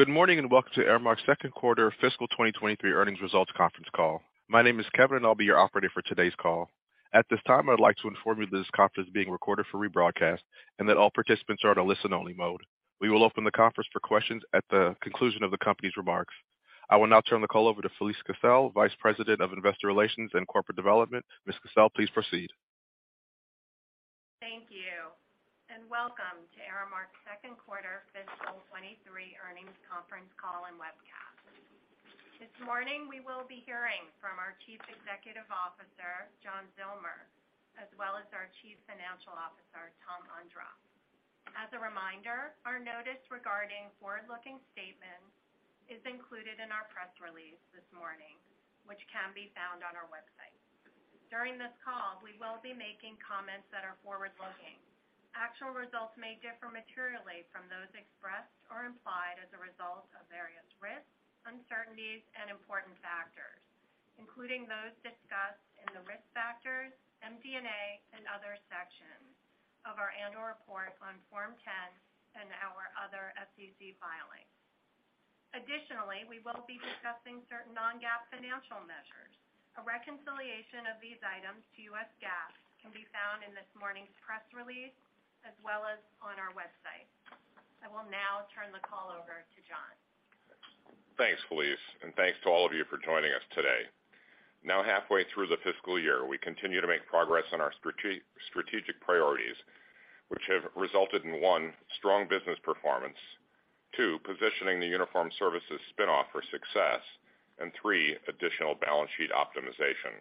Good morning. Welcome to Aramark's Second Quarter Fiscal 2023 Earnings Results Conference Call. My name is Kevin. I'll be your operator for today's call. At this time, I'd like to inform you that this conference is being recorded for rebroadcast and that all participants are in a listen-only mode. We will open the conference for questions at the conclusion of the company's remarks. I will now turn the call over to Felise Kissell, Vice President of Investor Relations and Corporate Development. Ms. Kissell, please proceed. Thank you, and welcome to Aramark's Second Quarter Fiscal 2023 Earnings Conference Call and Webcast. This morning, we will be hearing from our Chief Executive Officer, John Zillmer, as well as our Chief Financial Officer, Tom Ondrof. As a reminder, our notice regarding forward-looking statements is included in our press release this morning, which can be found on our website. During this call, we will be making comments that are forward-looking. Actual results may differ materially from those expressed or implied as a result of various risks, uncertainties, and important factors, including those discussed in the Risk Factors, MD&A, and other sections of our annual report on Form 10-K and our other SEC filings. Additionally, we will be discussing certain non-GAAP financial measures. A reconciliation of these items to U.S. GAAP can be found in this morning's press release as well as on our website. I will now turn the call over to John. Thanks, Felise, thanks to all of you for joining us today. Now halfway through the fiscal year, we continue to make progress on our strategic priorities, which have resulted in, one, strong business performance, two, positioning the Uniform Services spin-off for success, and three, additional balance sheet optimization.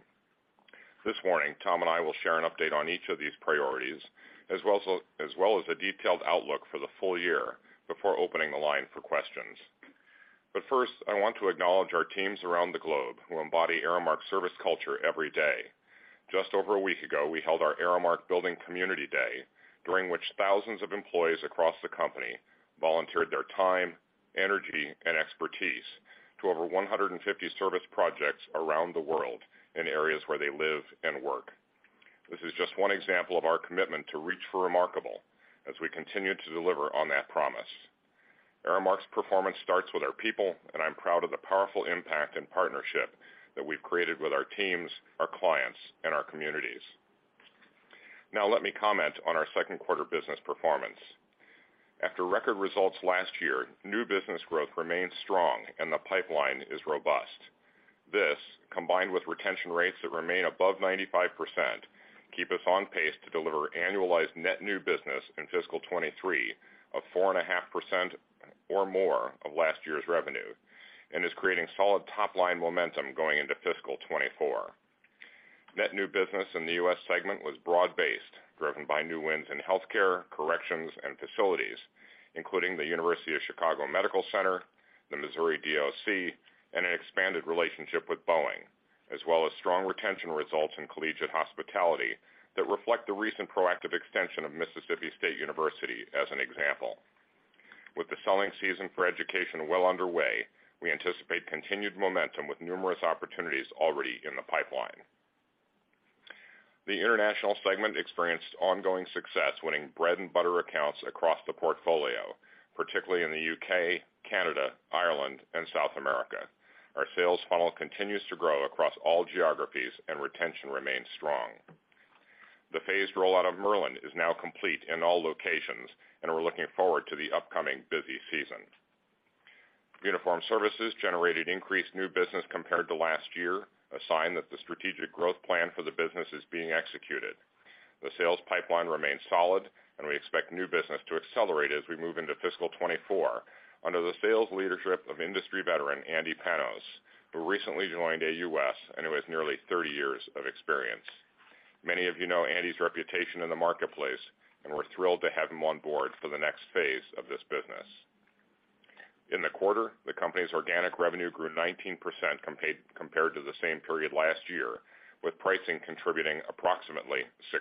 This morning, Tom Ondrof and I will share an update on each of these priorities as well as a detailed outlook for the full year before opening the line for questions. First, I want to acknowledge our teams around the globe who embody Aramark's service culture every day. Just over a week ago, we held our Aramark Building Community Day, during which thousands of employees across the company volunteered their time, energy, and expertise to over 150 service projects around the world in areas where they live and work. This is just one example of our commitment to reach for remarkable as we continue to deliver on that promise. Aramark's performance starts with our people, and I'm proud of the powerful impact and partnership that we've created with our teams, our clients, and our communities. Now, let me comment on our second quarter business performance. After record results last year, new business growth remains strong, and the pipeline is robust. This, combined with retention rates that remain above 95%, keep us on pace to deliver annualized net new business in fiscal 2023 of 4.5% or more of last year's revenue and is creating solid top-line momentum going into fiscal 2024. Net new business in the U.S. segment was broad-based, driven by new wins in healthcare, corrections, and facilities, including the University of Chicago Medical Center, the Missouri DOC, and an expanded relationship with Boeing, as well as strong retention results in collegiate hospitality that reflect the recent proactive extension of Mississippi State University as an example. With the selling season for education well underway, we anticipate continued momentum with numerous opportunities already in the pipeline. The international segment experienced ongoing success winning bread and butter accounts across the portfolio, particularly in the U.K., Canada, Ireland, and South America. Our sales funnel continues to grow across all geographies, and retention remains strong. The phased rollout of Merlin is now complete in all locations, and we're looking forward to the upcoming busy season. Uniform Services generated increased new business compared to last year, a sign that the strategic growth plan for the business is being executed. The sales pipeline remains solid. We expect new business to accelerate as we move into fiscal 2024 under the sales leadership of industry veteran Andy Panos, who recently joined AUS and who has nearly 30 years of experience. Many of you know Andy's reputation in the marketplace. We're thrilled to have him on board for the next phase of this business. In the quarter, the company's organic revenue grew 19% compared to the same period last year, with pricing contributing approximately 6%.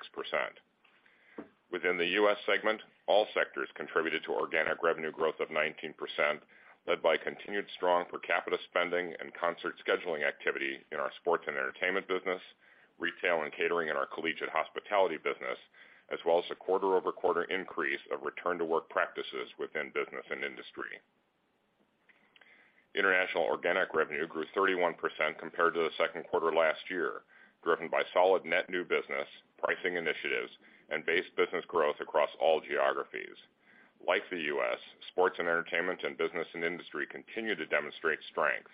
Within the U.S. segment, all sectors contributed to organic revenue growth of 19%, led by continued strong per capita spending and concert scheduling activity in our Sports & Entertainment business, retail and catering in our collegiate hospitality business, as well as a quarter-over-quarter increase of return to work practices within Business & Industry. International organic revenue grew 31% compared to the second quarter last year, driven by solid net new business, pricing initiatives, and base business growth across all geographies. Like the U.S., Sports & Entertainment and Business & Industry continue to demonstrate strength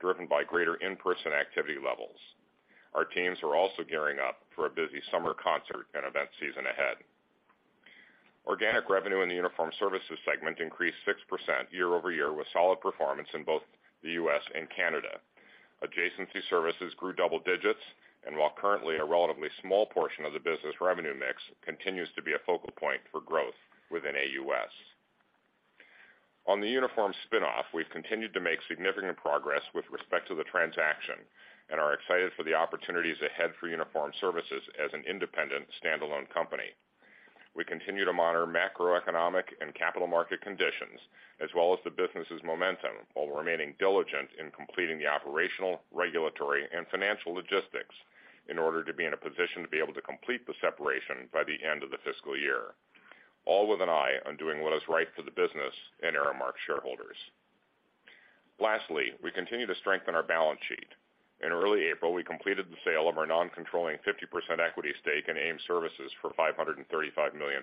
driven by greater in-person activity levels. Our teams are also gearing up for a busy summer concert and event season ahead. Organic revenue in the Uniform Services segment increased 6% year-over-year with solid performance in both the U.S. and Canada. Adjacency services grew double digits, and while currently a relatively small portion of the business revenue mix continues to be a focal point for growth within AUS. On the uniform spin-off, we've continued to make significant progress with respect to the transaction and are excited for the opportunities ahead for Uniform Services as an independent standalone company. We continue to monitor macroeconomic and capital market conditions as well as the business's momentum while remaining diligent in completing the operational, regulatory, and financial logistics in order to be in a position to be able to complete the separation by the end of the fiscal year, all with an eye on doing what is right for the business and Aramark shareholders. Lastly, we continue to strengthen our balance sheet. In early April, we completed the sale of our non-controlling 50% equity stake in AIM Services for $535 million.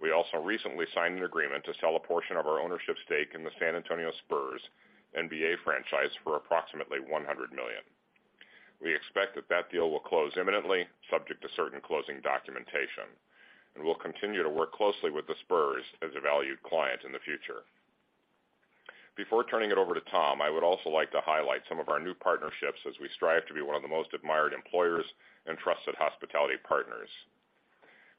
We also recently signed an agreement to sell a portion of our ownership stake in the San Antonio Spurs NBA franchise for approximately $100 million. We expect that deal will close imminently, subject to certain closing documentation. We'll continue to work closely with the Spurs as a valued client in the future. Before turning it over to Tom, I would also like to highlight some of our new partnerships as we strive to be one of the most admired employers and trusted hospitality partners.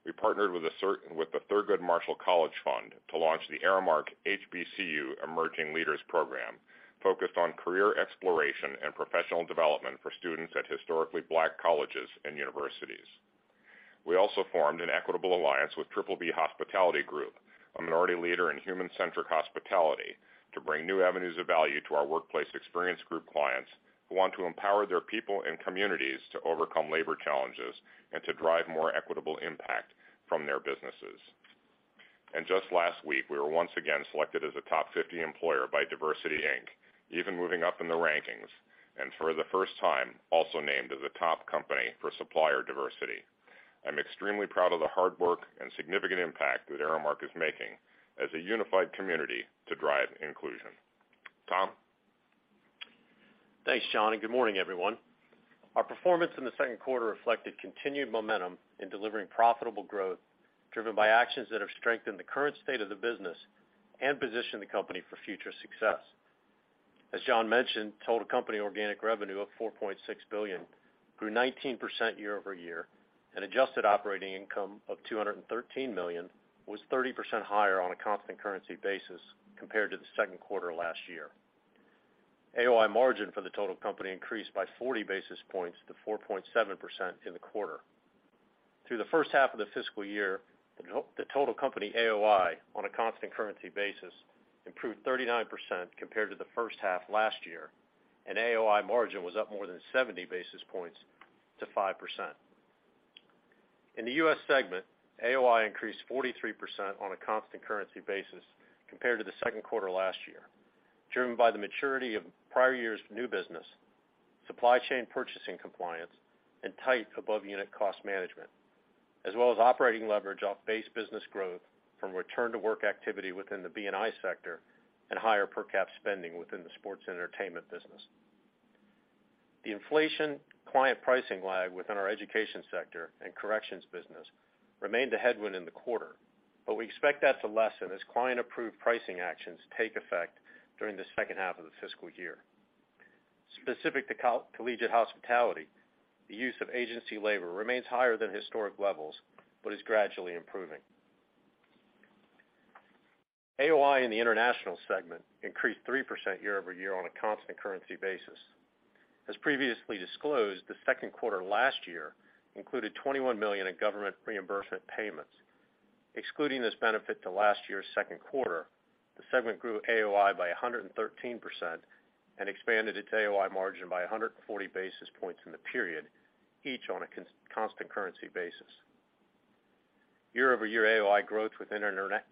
We partnered with the Thurgood Marshall College Fund to launch the Aramark HBCU Emerging Leaders Program, focused on career exploration and professional development for students at historically black colleges and universities. We also formed an equitable alliance with Triple B Hospitality Group, a minority leader in human-centric hospitality, to bring new avenues of value to our workplace experience group clients who want to empower their people and communities to overcome labor challenges and to drive more equitable impact from their businesses. Just last week, we were once again selected as a top 50 employer by DiversityInc, even moving up in the rankings, and for the first time, also named as a top company for supplier diversity. I'm extremely proud of the hard work and significant impact that Aramark is making as a unified community to drive inclusion. Tom? Thanks, John. Good morning, everyone. Our performance in the second quarter reflected continued momentum in delivering profitable growth, driven by actions that have strengthened the current state of the business and positioned the company for future success. As John mentioned, total company organic revenue of $4.6 billion grew 19% year-over-year. Adjusted operating income of $213 million was 30% higher on a constant currency basis compared to the second quarter last year. AOI margin for the total company increased by 40 basis points to 4.7% in the quarter. Through the first half of the fiscal year, the total company AOI on a constant currency basis improved 39% compared to the first half last year. AOI margin was up more than 70 basis points to 5%. In the U.S. segment, AOI increased 43% on a constant currency basis compared to the second quarter last year, driven by the maturity of prior year's new business, supply chain purchasing compliance, and tight above unit cost management, as well as operating leverage off base business growth from return to work activity within the B&I sector and higher per cap spending within the Sports & Entertainment business. The inflation client pricing lag within our education sector and corrections business remained a headwind in the quarter. We expect that to lessen as client-approved pricing actions take effect during the second half of the fiscal year. Specific to collegiate hospitality, the use of agency labor remains higher than historic levels, but is gradually improving. AOI in the international segment increased 3% year-over-year on a constant currency basis. As previously disclosed, the 2Q last year included $21 million in government reimbursement payments. Excluding this benefit to last year's 2Q, the segment grew AOI by 113% and expanded its AOI margin by 140 basis points in the period, each on a constant currency basis. Year-over-year AOI growth within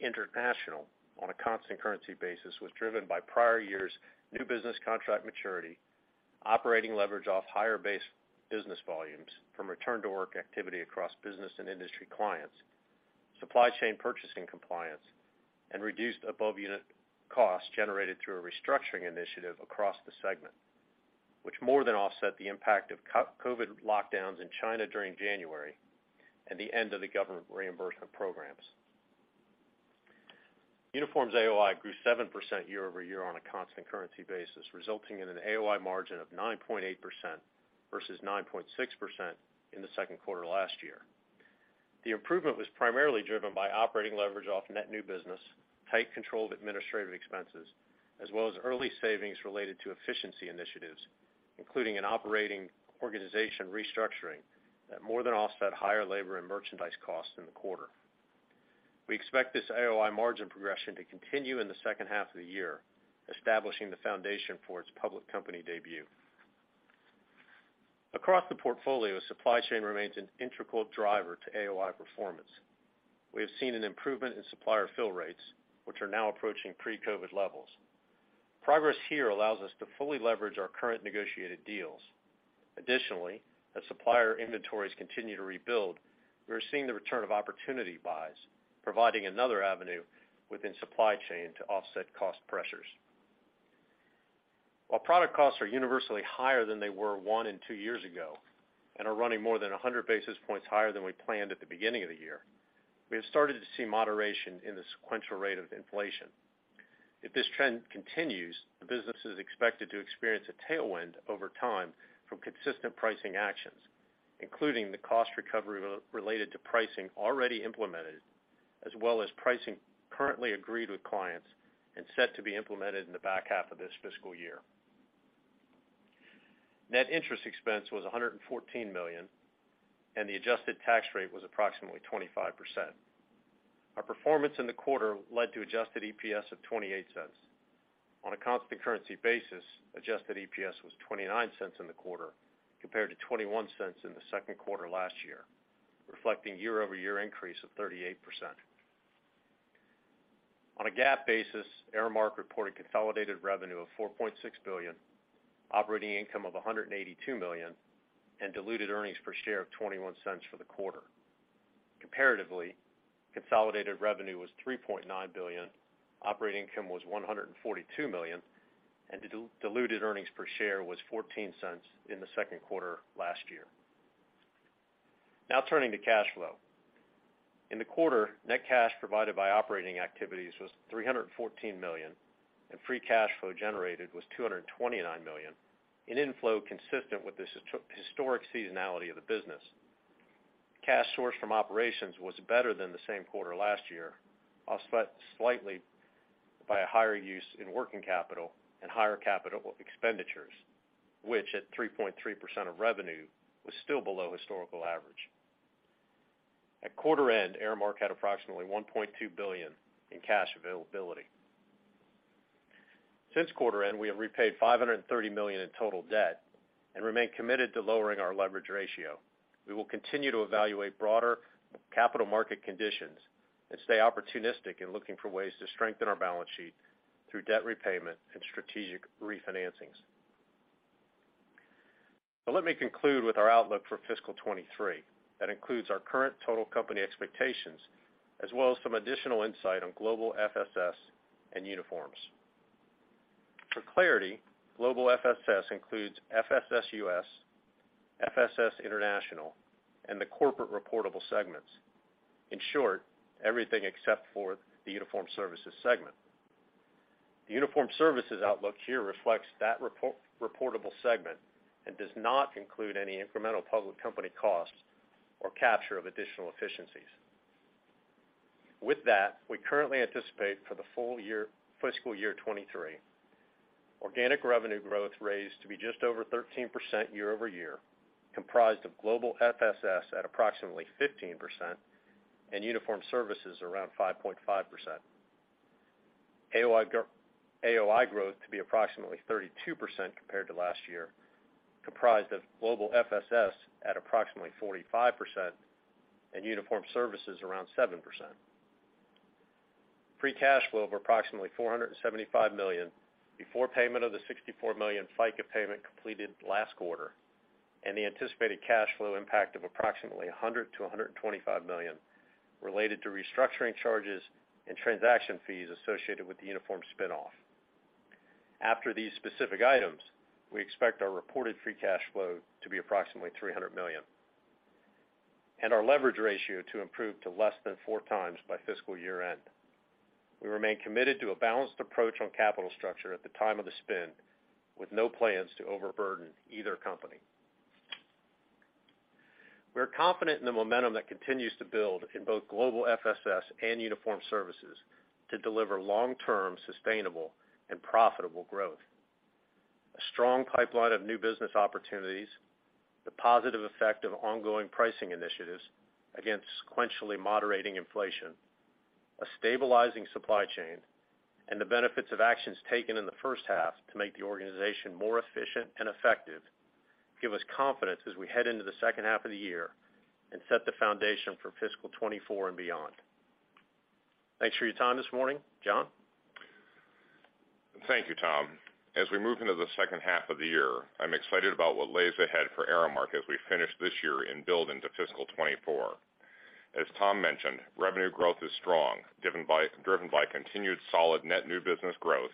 international on a constant currency basis was driven by prior year's new business contract maturity, operating leverage off higher base business volumes from return to work activity across Business & Industry clients, supply chain purchasing compliance, and reduced above unit costs generated through a restructuring initiative across the segment, which more than offset the impact of COVID lockdowns in China during January and the end of the government reimbursement programs. Uniforms AOI grew 7% year-over-year on a constant currency basis, resulting in an AOI margin of 9.8% versus 9.6% in the second quarter last year. The improvement was primarily driven by operating leverage off net new business, tight control of administrative expenses, as well as early savings related to efficiency initiatives, including an operating organization restructuring that more than offset higher labor and merchandise costs in the quarter. We expect this AOI margin progression to continue in the second half of the year, establishing the foundation for its public company debut. Across the portfolio, supply chain remains an integral driver to AOI performance. We have seen an improvement in supplier fill rates, which are now approaching pre-COVID levels. Progress here allows us to fully leverage our current negotiated deals. Additionally, as supplier inventories continue to rebuild, we are seeing the return of opportunity buys, providing another avenue within supply chain to offset cost pressures. While product costs are universally higher than they were one in two years ago and are running more than 100 basis points higher than we planned at the beginning of the year, we have started to see moderation in the sequential rate of inflation. If this trend continues, the business is expected to experience a tailwind over time from consistent pricing actions, including the cost recovery related to pricing already implemented, as well as pricing currently agreed with clients and set to be implemented in the back half of this fiscal year. Net interest expense was $114 million, and the adjusted tax rate was approximately 25%. Our performance in the quarter led to adjusted EPS of $0.28. On a constant currency basis, adjusted EPS was $0.29 in the quarter compared to $0.21 in the second quarter last year. Reflecting year-over-year increase of 38%. On a GAAP basis, Aramark reported consolidated revenue of $4.6 billion, operating income of $182 million, and diluted earnings per share of $0.21 for the quarter. Comparatively, consolidated revenue was $3.9 billion, operating income was $142 million, and diluted earnings per share was $0.14 in the second quarter last year. Now turning to cash flow. In the quarter, net cash provided by operating activities was $314 million, and free cash flow generated was $229 million, an inflow consistent with the historic seasonality of the business. Cash sourced from operations was better than the same quarter last year, offset slightly by a higher use in working capital and higher capital expenditures, which at 3.3% of revenue was still below historical average. At quarter end, Aramark had approximately $1.2 billion in cash availability. Since quarter end, we have repaid $530 million in total debt and remain committed to lowering our leverage ratio. We will continue to evaluate broader capital market conditions and stay opportunistic in looking for ways to strengthen our balance sheet through debt repayment and strategic refinancings. Let me conclude with our outlook for fiscal 2023. That includes our current total company expectations, as well as some additional insight on global FSS and uniforms. For clarity, global FSS includes FSS US, FSS International, and the corporate reportable segments. In short, everything except for the Uniform Services segment. The Uniform Services outlook here reflects that reportable segment and does not include any incremental public company costs or capture of additional efficiencies. We currently anticipate for the full year, fiscal year 2023, organic revenue growth raised to be just over 13% year-over-year, comprised of global FSS at approximately 15% and Uniform Services around 5.5%. AOI growth to be approximately 32% compared to last year, comprised of global FSS at approximately 45% and Uniform Services around 7%. Free cash flow of approximately $475 million before payment of the $64 million FICA payment completed last quarter, and the anticipated cash flow impact of approximately $100 million-$125 million related to restructuring charges and transaction fees associated with the Uniform spin-off. After these specific items, we expect our reported free cash flow to be approximately $300 million, and our leverage ratio to improve to less than 4x by fiscal year end. We remain committed to a balanced approach on capital structure at the time of the spin, with no plans to overburden either company. We're confident in the momentum that continues to build in both global FSS and Uniform Services to deliver long-term sustainable and profitable growth. A strong pipeline of new business opportunities, the positive effect of ongoing pricing initiatives against sequentially moderating inflation, a stabilizing supply chain, and the benefits of actions taken in the first half to make the organization more efficient and effective give us confidence as we head into the second half of the year and set the foundation for fiscal 2024 and beyond. Thanks for your time this morning. John? Thank you, Tom. As we move into the second half of the year, I'm excited about what lies ahead for Aramark as we finish this year and build into fiscal 2024. As Tom mentioned, revenue growth is strong, driven by continued solid net new business growth,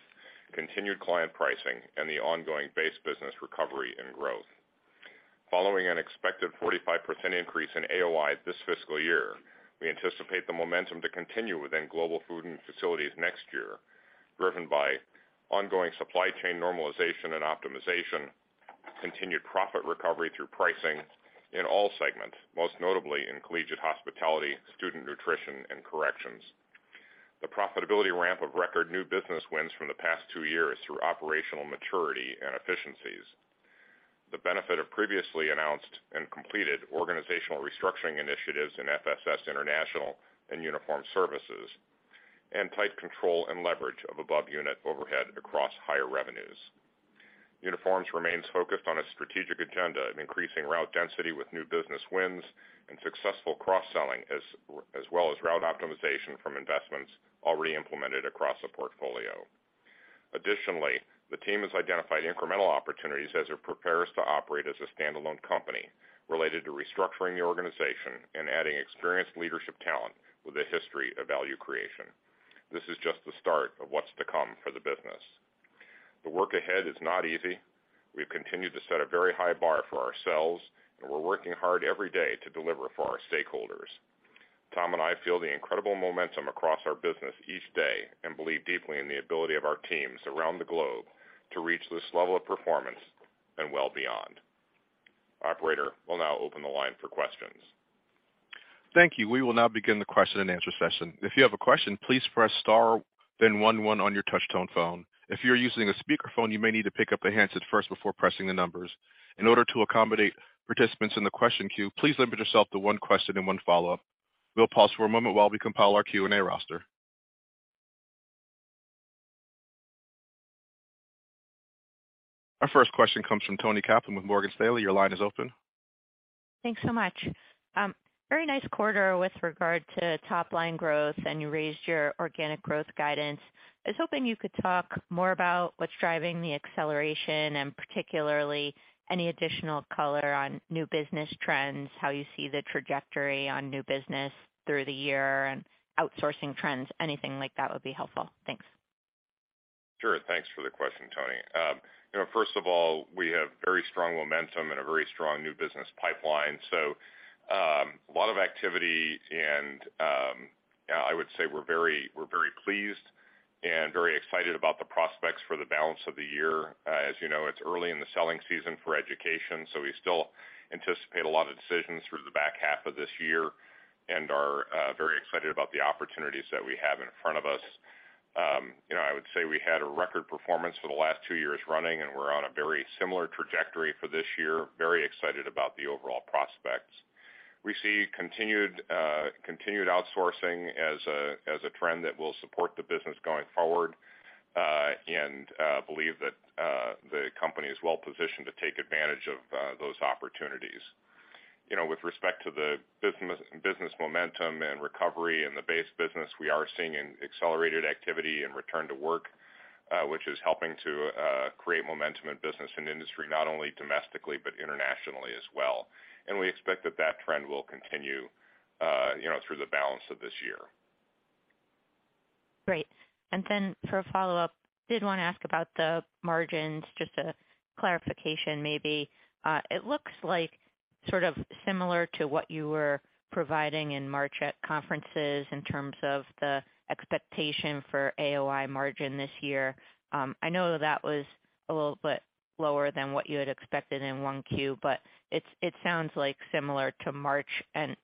continued client pricing, and the ongoing base business recovery and growth. Following an expected 45% increase in AOI this fiscal year, we anticipate the momentum to continue within global food and facilities next year, driven by ongoing supply chain normalization and optimization, continued profit recovery through pricing in all segments, most notably in collegiate hospitality, student nutrition, and corrections. The profitability ramp of record new business wins from the past two years through operational maturity and efficiencies, the benefit of previously announced and completed organizational restructuring initiatives in FSS International and Uniform Services, and tight control and leverage of above unit overhead across higher revenues. Uniforms remains focused on a strategic agenda of increasing route density with new business wins and successful cross-selling, as well as route optimization from investments already implemented across the portfolio. Additionally, the team has identified incremental opportunities as it prepares to operate as a standalone company related to restructuring the organization and adding experienced leadership talent with a history of value creation. This is just the start of what's to come for the business. The work ahead is not easy. We've continued to set a very high bar for ourselves, and we're working hard every day to deliver for our stakeholders. Tom and I feel the incredible momentum across our business each day and believe deeply in the ability of our teams around the globe to reach this level of performance and well beyond. Operator, we'll now open the line for questions. Thank you. We will now begin the question and answer session. If you have a question, please press star, then one on your touch tone phone. If you're using a speakerphone, you may need to pick up a handset first before pressing the numbers. In order to accommodate participants in the question queue, please limit yourself to one question and one follow-up. We'll pause for a moment while we compile our Q&A roster. Our first question comes from Toni Kaplan with Morgan Stanley. Your line is open. Thanks so much. Very nice quarter with regard to top line growth, and you raised your organic growth guidance. I was hoping you could talk more about what's driving the acceleration and particularly any additional color on new business trends, how you see the trajectory on new business through the year and outsourcing trends. Anything like that would be helpful. Thanks. Sure. Thanks for the question, Toni. you know, first of all, we have very strong momentum and a very strong new business pipeline. A lot of activity and, yeah, I would say we're very, we're very pleased and very excited about the prospects for the balance of the year. As you know, it's early in the selling season for education, so we still anticipate a lot of decisions through the back half of this year and are very excited about the opportunities that we have in front of us. you know, I would say we had a record performance for the last two years running, and we're on a very similar trajectory for this year, very excited about the overall prospects. We see continued outsourcing as a trend that will support the business going forward and believe that the company is well positioned to take advantage of those opportunities. You know, with respect to the Business momentum and recovery in the base business, we are seeing an accelerated activity in return to work, which is helping to create momentum in Business & Industry, not only domestically but internationally as well. We expect that that trend will continue, you know, through the balance of this year. Great. For a follow-up, did wanna ask about the margins, just a clarification maybe. It looks like sort of similar to what you were providing in March at conferences in terms of the expectation for AOI margin this year. I know that was a little bit lower than what you had expected in 1Q, but it sounds like similar to March.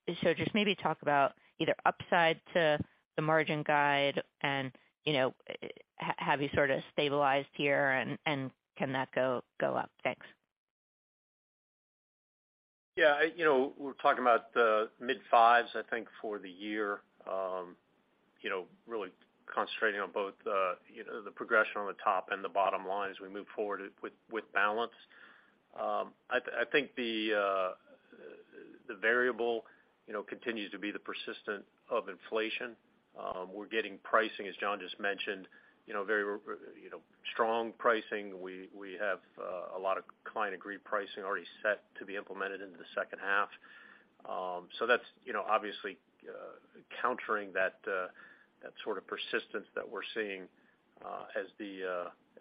Just maybe talk about either upside to the margin guide and, you know, have you sort of stabilized here and can that go up? Thanks. Yeah. You know, we're talking about the mid-5s%, I think, for the year, you know, really concentrating on both, you know, the progression on the top and the bottom line as we move forward with balance. I think the variable, you know, continues to be the persistent of inflation. We're getting pricing, as John just mentioned, you know, very you know, strong pricing. We have a lot of client agreed pricing already set to be implemented into the second half. That's, you know, obviously, countering that sort of persistence that we're seeing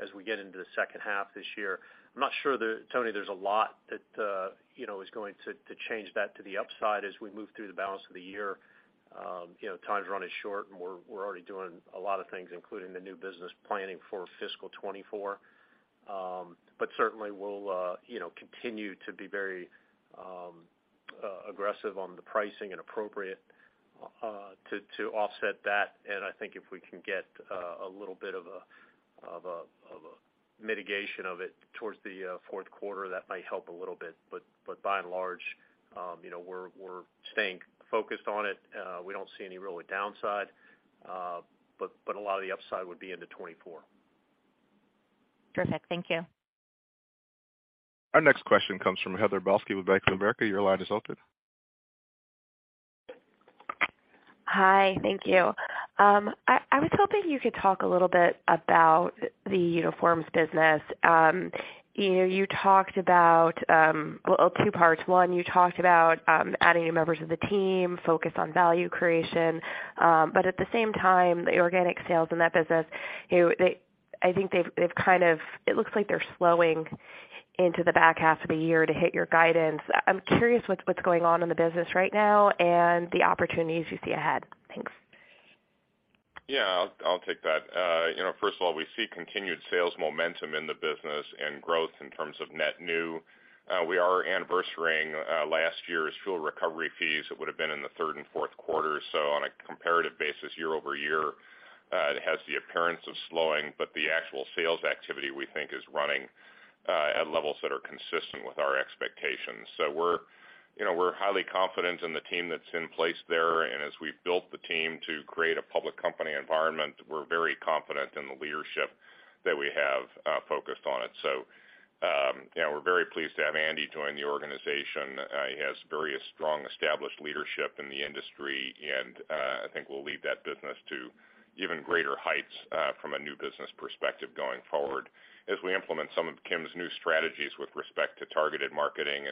as we get into the second half this year. I'm not sure Toni, there's a lot that, you know, is going to change that to the upside as we move through the balance of the year. You know, time's running short, and we're already doing a lot of things, including the new business planning for fiscal 2024. Certainly we'll, you know, continue to be very aggressive on the pricing and appropriate to offset that. I think if we can get a little bit of a mitigation of it towards the fourth quarter, that might help a little bit. By and large, you know, we're staying focused on it. We don't see any real downside, but a lot of the upside would be into 2024. Perfect. Thank you. Our next question comes from Heather Balsky with Bank of America. Your line is open. Hi. Thank you. I was hoping you could talk a little bit about the uniforms business. you know, you talked about, well, two parts. One, you talked about adding new members of the team, focus on value creation. but at the same time, the organic sales in that business, you know, I think they've kind of... it looks like they're slowing into the back half of the year to hit your guidance. I'm curious what's going on in the business right now and the opportunities you see ahead. Thanks. Yeah, I'll take that. You know, first of all, we see continued sales momentum in the business and growth in terms of net new. We are anniversarying last year's fuel recovery fees that would have been in the third and fourth quarter. On a comparative basis, year-over-year, it has the appearance of slowing, but the actual sales activity, we think is running at levels that are consistent with our expectations. We're, you know, we're highly confident in the team that's in place there. As we've built the team to create a public company environment, we're very confident in the leadership that we have focused on it. You know, we're very pleased to have Andy join the organization. He has very strong established leadership in the industry, I think we'll lead that business to even greater heights from a new business perspective going forward as we implement some of Kim's new strategies with respect to targeted marketing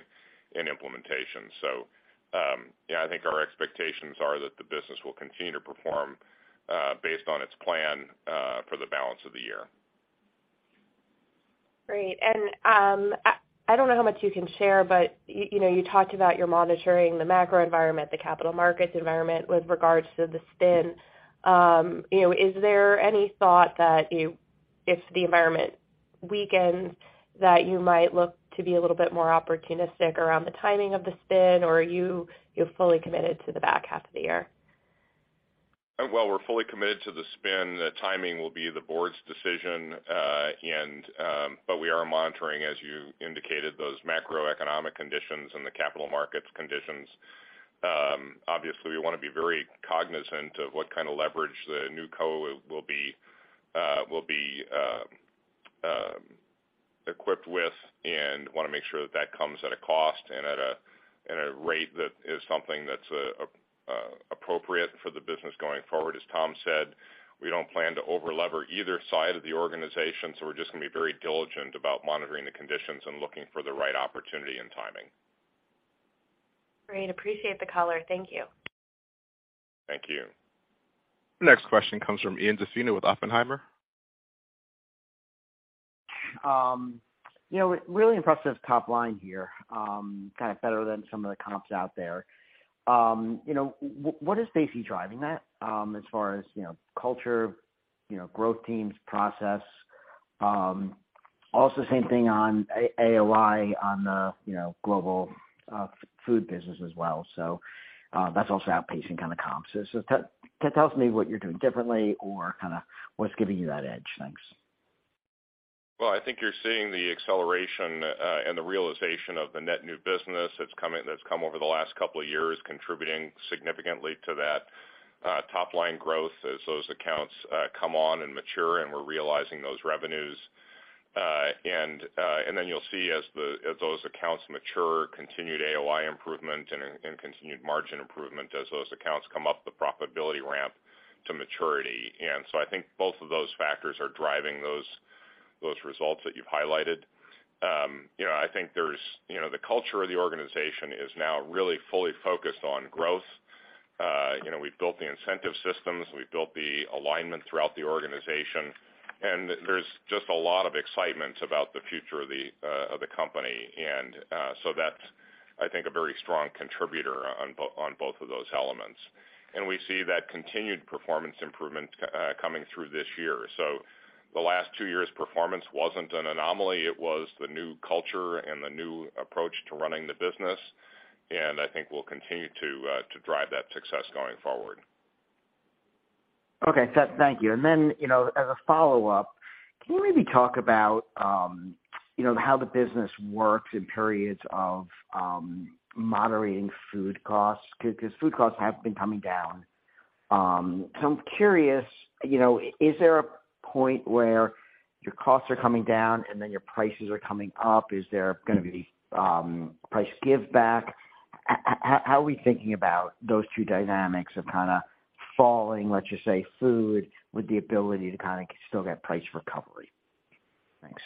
and implementation. Yeah, I think our expectations are that the business will continue to perform based on its plan for the balance of the year. Great. I don't know how much you can share, but you know, you talked about you're monitoring the macro environment, the capital markets environment with regards to the spin. You know, is there any thought that if the environment weakens, that you might look to be a little bit more opportunistic around the timing of the spin, or are you fully committed to the back half of the year? We're fully committed to the spin. The timing will be the board's decision, and we are monitoring, as you indicated, those macroeconomic conditions and the capital markets conditions. Obviously we want to be very cognizant of what kind of leverage the new co will be equipped with and want to make sure that that comes at a cost and at a rate that's appropriate for the business going forward. As Tom said, we don't plan to over-lever either side of the organization, we're just going to be very diligent about monitoring the conditions and looking for the right opportunity and timing. Great. Appreciate the color. Thank you. Thank you. Next question comes from Ian Zaffino with Oppenheimer. You know, really impressed with this top line here, kind of better than some of the comps out there. You know, what is basically driving that, as far as, you know, culture, you know, growth teams, process? Also same thing on AOI on the, you know, global, food business as well. That's also outpacing kind of comps. Tell me what you're doing differently or kind of what's giving you that edge. Thanks. Well, I think you're seeing the acceleration and the realization of the net new business that's come over the last couple of years, contributing significantly to that top line growth as those accounts come on and mature, and we're realizing those revenues. Then you'll see as those accounts mature, continued AOI improvement and continued margin improvement as those accounts come up the profitability ramp to maturity. I think both of those factors are driving those results that you've highlighted. You know, I think there's, you know, the culture of the organization is now really fully focused on growth. You know, we've built the incentive systems, we've built the alignment throughout the organization, and there's just a lot of excitement about the future of the company. That's, I think, a very strong contributor on both of those elements. We see that continued performance improvement coming through this year. The last two years' performance wasn't an anomaly. It was the new culture and the new approach to running the business, and I think we'll continue to drive that success going forward. Okay. Thank you. You know, as a follow-up, can you maybe talk about, you know, how the business works in periods of moderating food costs? Because food costs have been coming down. I'm curious, you know, is there a point where your costs are coming down and then your prices are coming up? Is there gonna be price give back? How are we thinking about those two dynamics of kind of falling, let's just say, food with the ability to kind of still get price recovery? Thanks.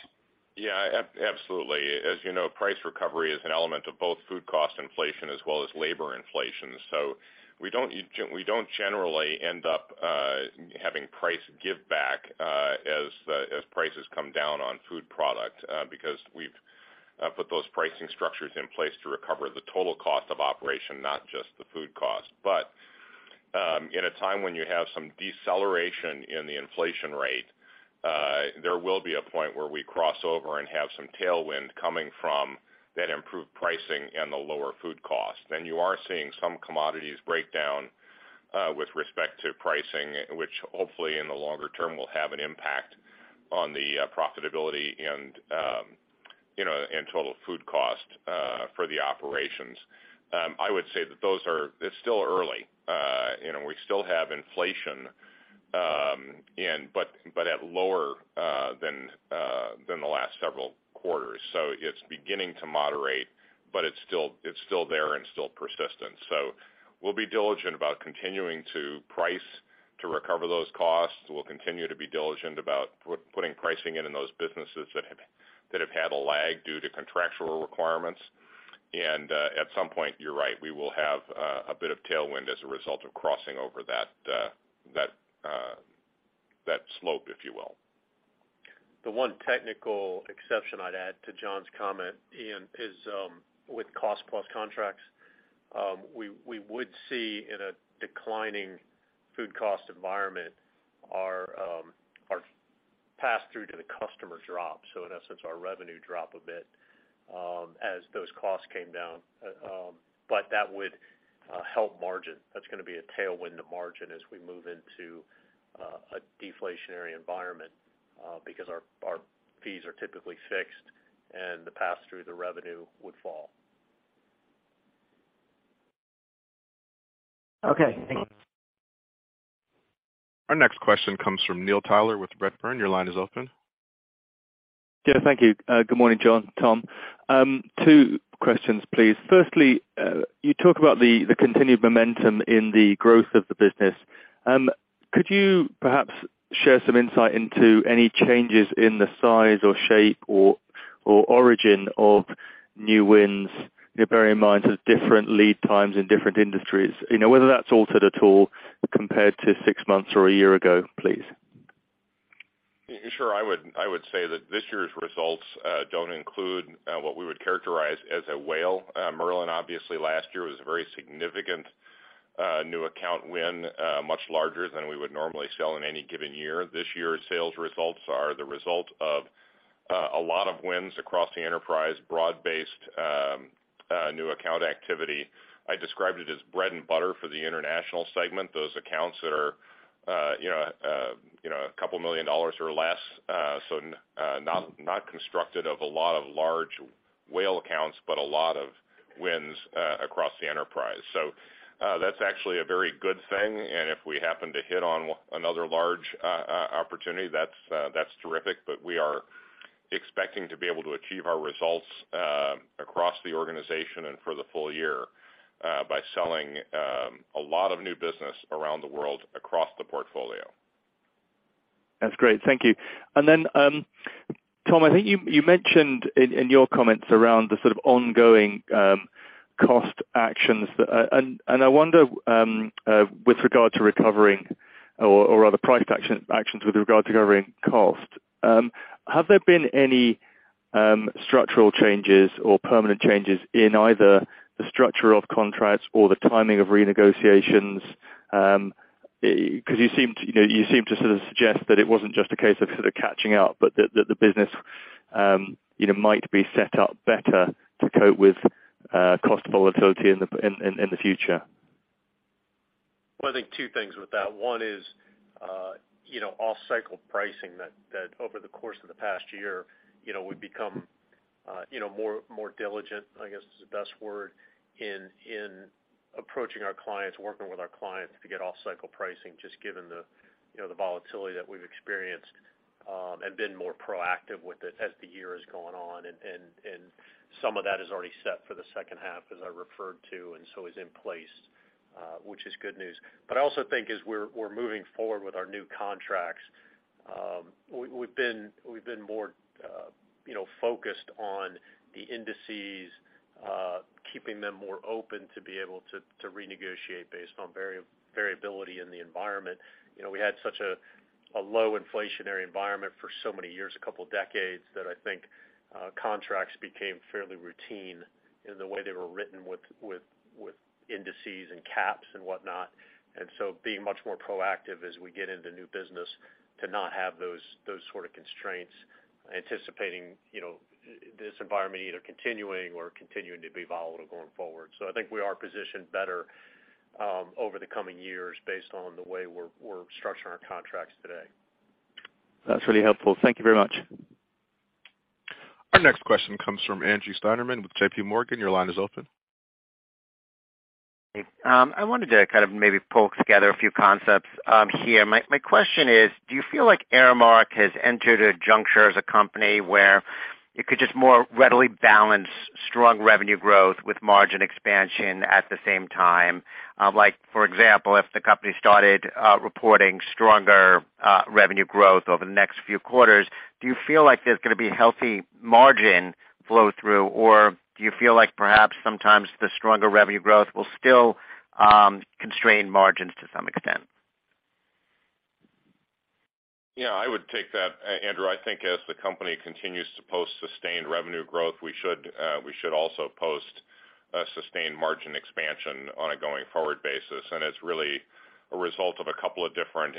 Yeah, absolutely. As you know, price recovery is an element of both food cost inflation as well as labor inflation. We don't generally end up having price give back as prices come down on food product because we've put those pricing structures in place to recover the total cost of operation, not just the food cost. In a time when you have some deceleration in the inflation rate, there will be a point where we cross over and have some tailwind coming from that improved pricing and the lower food cost. You are seeing some commodities break down with respect to pricing, which hopefully in the longer term will have an impact on the profitability and, you know, and total food cost for the operations. I would say that it's still early. You know, we still have inflation, in, but at lower, than the last several quarters. It's beginning to moderate, but it's still there and still persistent. We'll be diligent about continuing to price to recover those costs. We'll continue to be diligent about putting pricing in those businesses that have had a lag due to contractual requirements. At some point, you're right, we will have a bit of tailwind as a result of crossing over that slope, if you will. The one technical exception I'd add to John's comment, Ian, is with cost plus contracts, we would see in a declining food cost environment our pass-through to the customer drop. In essence, our revenue drop a bit as those costs came down. That would help margin. That's gonna be a tailwind to margin as we move into a deflationary environment, because our fees are typically fixed and the pass-through, the revenue would fall. Okay. Thank you. Our next question comes from Neil Tyler with Redburn. Your line is open. Yeah, thank you. Good morning, John, Tom. Twp questions, please. Firstly, you talk about the continued momentum in the growth of the business. Could you perhaps share some insight into any changes in the size or shape or origin of new wins? You know, bearing in mind there's different lead times in different industries. You know, whether that's altered at all compared to six months or one year ago, please. Sure. I would say that this year's results don't include what we would characterize as a whale. Merlin, obviously last year was a very significant new account win, much larger than we would normally sell in any given year. This year's sales results are the result of a lot of wins across the enterprise, broad-based new account activity. I described it as bread and butter for the international segment. Those accounts that are, you know, a couple million dollars or less. Not constructed of a lot of large whale accounts, but a lot of wins across the enterprise. That's actually a very good thing. And if we happen to hit on another large opportunity, that's terrific. We are expecting to be able to achieve our results across the organization and for the full year by selling a lot of new business around the world across the portfolio. That's great. Thank you. Tom, I think you mentioned in your comments around the sort of ongoing cost actions. I wonder with regard to recovering or rather price actions with regard to recovering costs, have there been any structural changes or permanent changes in either the structure of contracts or the timing of renegotiations? 'Cause you seem to, you know, you seem to sort of suggest that it wasn't just a case of sort of catching up, but that the business, you know, might be set up better to cope with cost volatility in the future. Well, I think two things with that. One is, you know, off-cycle pricing that over the course of the past year, you know, we've become, you know, more diligent, I guess, is the best word, in approaching our clients, working with our clients to get off-cycle pricing, just given the, you know, the volatility that we've experienced, and been more proactive with it as the year has gone on. Some of that is already set for the second half, as I referred to, and so is in place, which is good news. I also think as we're moving forward with our new contracts, we've been more, you know, focused on the indices, keeping them more open to be able to renegotiate based on variability in the environment. You know, we had such a low inflationary environment for so many years, a couple decades, that I think contracts became fairly routine in the way they were written with indices and caps and whatnot. Being much more proactive as we get into new business to not have those sort of constraints, anticipating, you know, this environment either continuing or continuing to be volatile going forward. I think we are positioned better over the coming years based on the way we're structuring our contracts today. That's really helpful. Thank you very much. Our next question comes from Andrew Steinerman with J.P. Morgan. Your line is open. I wanted to kind of maybe pull together a few concepts here. My question is, do you feel like Aramark has entered a juncture as a company where it could just more readily balance strong revenue growth with margin expansion at the same time? Like for example, if the company started reporting stronger revenue growth over the next few quarters, do you feel like there's gonna be healthy margin flow through, or do you feel like perhaps sometimes the stronger revenue growth will still constrain margins to some extent? Yeah, I would take that, Andrew. I think as the company continues to post sustained revenue growth, we should also post a sustained margin expansion on a going forward basis. It's really a result of a couple of different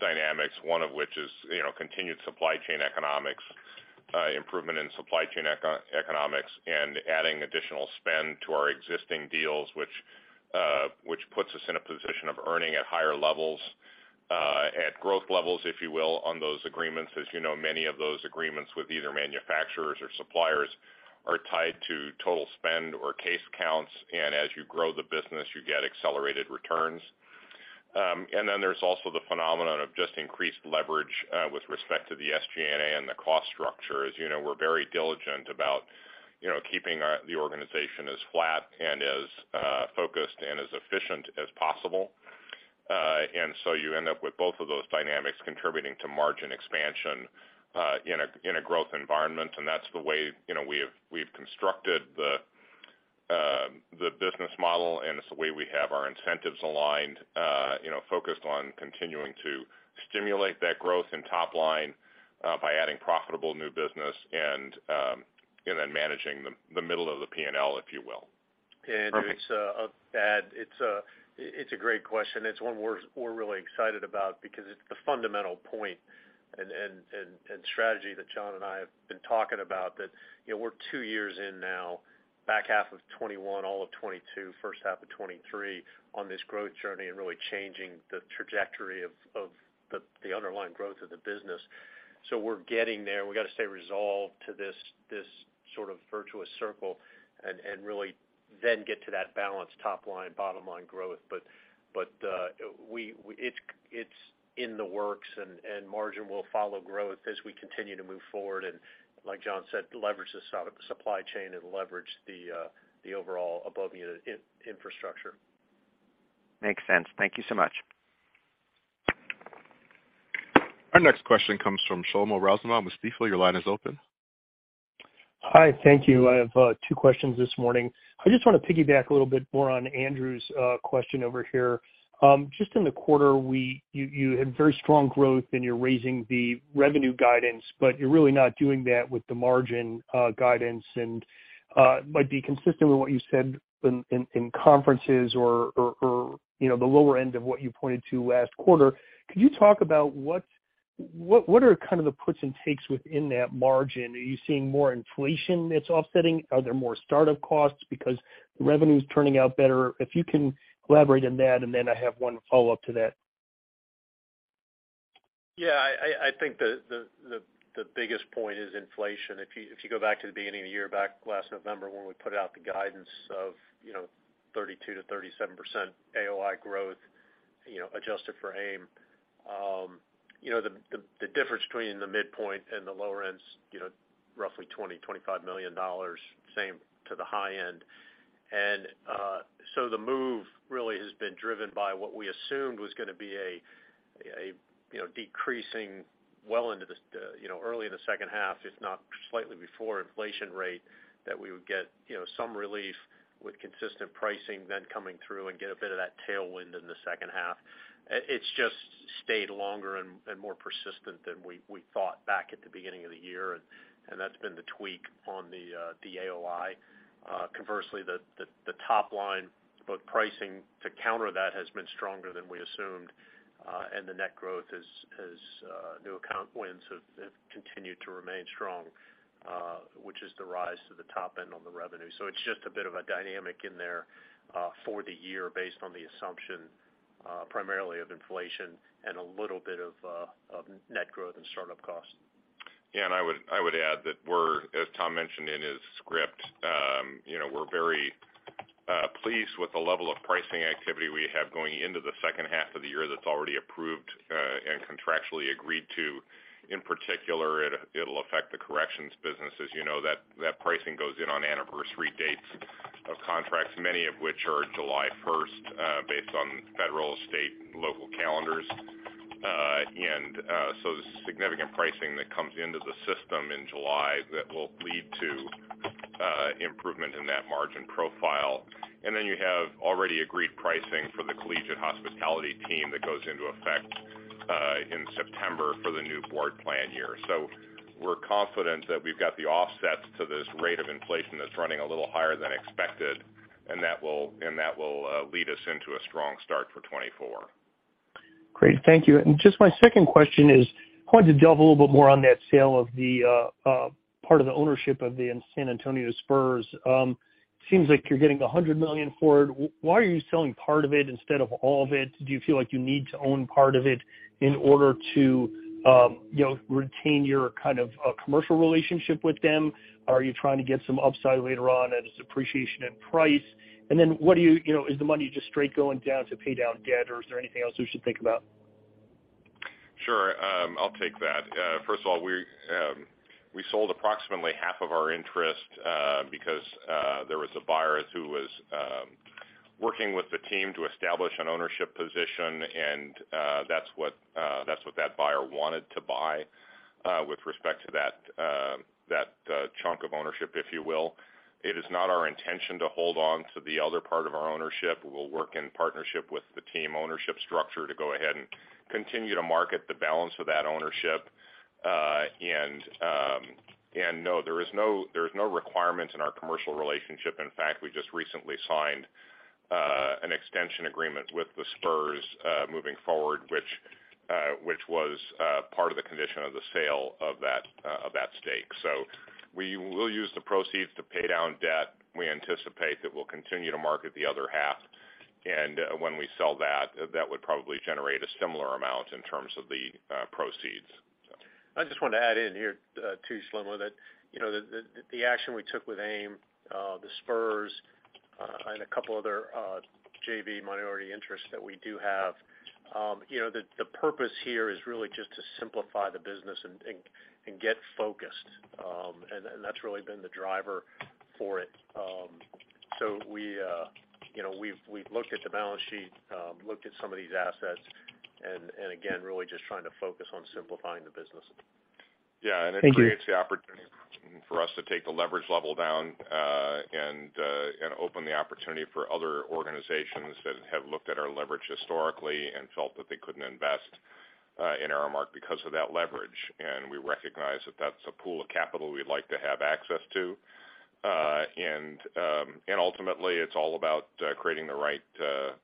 dynamics, one of which is, you know, continued supply chain economics, improvement in supply chain eco-economics, and adding additional spend to our existing deals, which puts us in a position of earning at higher levels, at growth levels, if you will, on those agreements. As you know, many of those agreements with either manufacturers or suppliers are tied to total spend or case counts, and as you grow the business, you get accelerated returns. Then there's also the phenomenon of just increased leverage with respect to the SG&A and the cost structure. As you know, we're very diligent about, you know, keeping our, the organization as flat and as focused and as efficient as possible. So you end up with both of those dynamics contributing to margin expansion, in a growth environment. That's the way, you know, we've constructed the business model, and it's the way we have our incentives aligned, you know, focused on continuing to stimulate that growth in top line, by adding profitable new business and then managing the middle of the P&L, if you will. Perfect. Andrew, to add, it's a great question. It's one we're really excited about because it's the fundamental point and strategy that John and I have been talking about, that, you know, we're two years in now, back half of 2021, all of 2022, first half of 2023, on this growth journey and really changing the trajectory of the underlying growth of the business. We're getting there. We've got to stay resolved to this sort of virtuous circle and really then get to that balanced top line, bottom line growth. It's, it's in the works and margin will follow growth as we continue to move forward and, like John said, leverage the supply chain and leverage the overall above unit infrastructure. Makes sense. Thank you so much. Our next question comes from Shlomo Rosenbaum with Stifel. Your line is open. Hi. Thank you. I have two questions this morning. I just want to piggyback a little bit more on Andrew's question over here. Just in the quarter, you had very strong growth and you're raising the revenue guidance, but you're really not doing that with the margin guidance and might be consistent with what you said in conferences or, you know, the lower end of what you pointed to last quarter. Could you talk about what are kind of the puts and takes within that margin? Are you seeing more inflation that's offsetting? Are there more startup costs because revenue is turning out better? If you can elaborate on that, then I have 1 follow-up to that. Yeah, I think the biggest point is inflation. If you go back to the beginning of the year, back last November when we put out the guidance of, you know, 32%-37% AOI growth, you know, adjusted for AIM, you know, the difference between the midpoint and the lower end's, you know, roughly $20 million-$25 million, same to the high end. So the move really has been driven by what we assumed was gonna be a, you know, decreasing well into the early in the second half, if not slightly before inflation rate, that we would get, you know, some relief with consistent pricing then coming through and get a bit of that tailwind in the second half. It's just stayed longer and more persistent than we thought back at the beginning of the year, and that's been the tweak on the AOI. Conversely, the top line, both pricing to counter that has been stronger than we assumed, and the net growth is new account wins have continued to remain strong, which is the rise to the top end on the revenue. It's just a bit of a dynamic in there for the year based on the assumption, primarily of inflation and a little bit of net growth and startup costs. Yeah. I would add that we're, as Tom mentioned in his script, you know, we're very pleased with the level of pricing activity we have going into the second half of the year that's already approved and contractually agreed to. In particular, it'll affect the corrections businesses. You know that pricing goes in on anniversary dates of contracts, many of which are July 1st, based on federal, state, and local calendars. So there's significant pricing that comes into the system in July that will lead to improvement in that margin profile. Then you have already agreed pricing for the collegiate hospitality team that goes into effect in September for the new board plan year. We're confident that we've got the offsets to this rate of inflation that's running a little higher than expected, and that will lead us into a strong start for 2024. Great. Thank you. Just my second question is, wanted to delve a little bit more on that sale of the part of the ownership of the San Antonio Spurs. Seems like you're getting $100 million for it. Why are you selling part of it instead of all of it? Do you feel like you need to own part of it in order to, you know, retain your kind of commercial relationship with them? Are you trying to get some upside later on as appreciation and price? You know, is the money just straight going down to pay down debt, or is there anything else we should think about? Sure. I'll take that. First of all, we sold approximately half of our interest because there was a buyer who was working with the team to establish an ownership position, and that's what that buyer wanted to buy with respect to that chunk of ownership, if you will. It is not our intention to hold on to the other part of our ownership. We'll work in partnership with the team ownership structure to go ahead and continue to market the balance of that ownership. No, there is no requirement in our commercial relationship. In fact, we just recently signed an extension agreement with the Spurs moving forward, which was part of the condition of the sale of that stake. We will use the proceeds to pay down debt. We anticipate that we'll continue to market the other half. When we sell that would probably generate a similar amount in terms of the proceeds. I just want to add in here, too, Slim, with it. You know, the, the action we took with AIM, the Spurs, and a couple other JV minority interests that we do have, you know, the purpose here is really just to simplify the business and, and get focused. That's really been the driver for it. We, you know, we've looked at the balance sheet, looked at some of these assets and again, really just trying to focus on simplifying the business. Yeah. Thank you. It creates the opportunity for us to take the leverage level down, and open the opportunity for other organizations that have looked at our leverage historically and felt that they couldn't invest in Aramark because of that leverage. We recognize that that's a pool of capital we'd like to have access to. And ultimately it's all about creating the right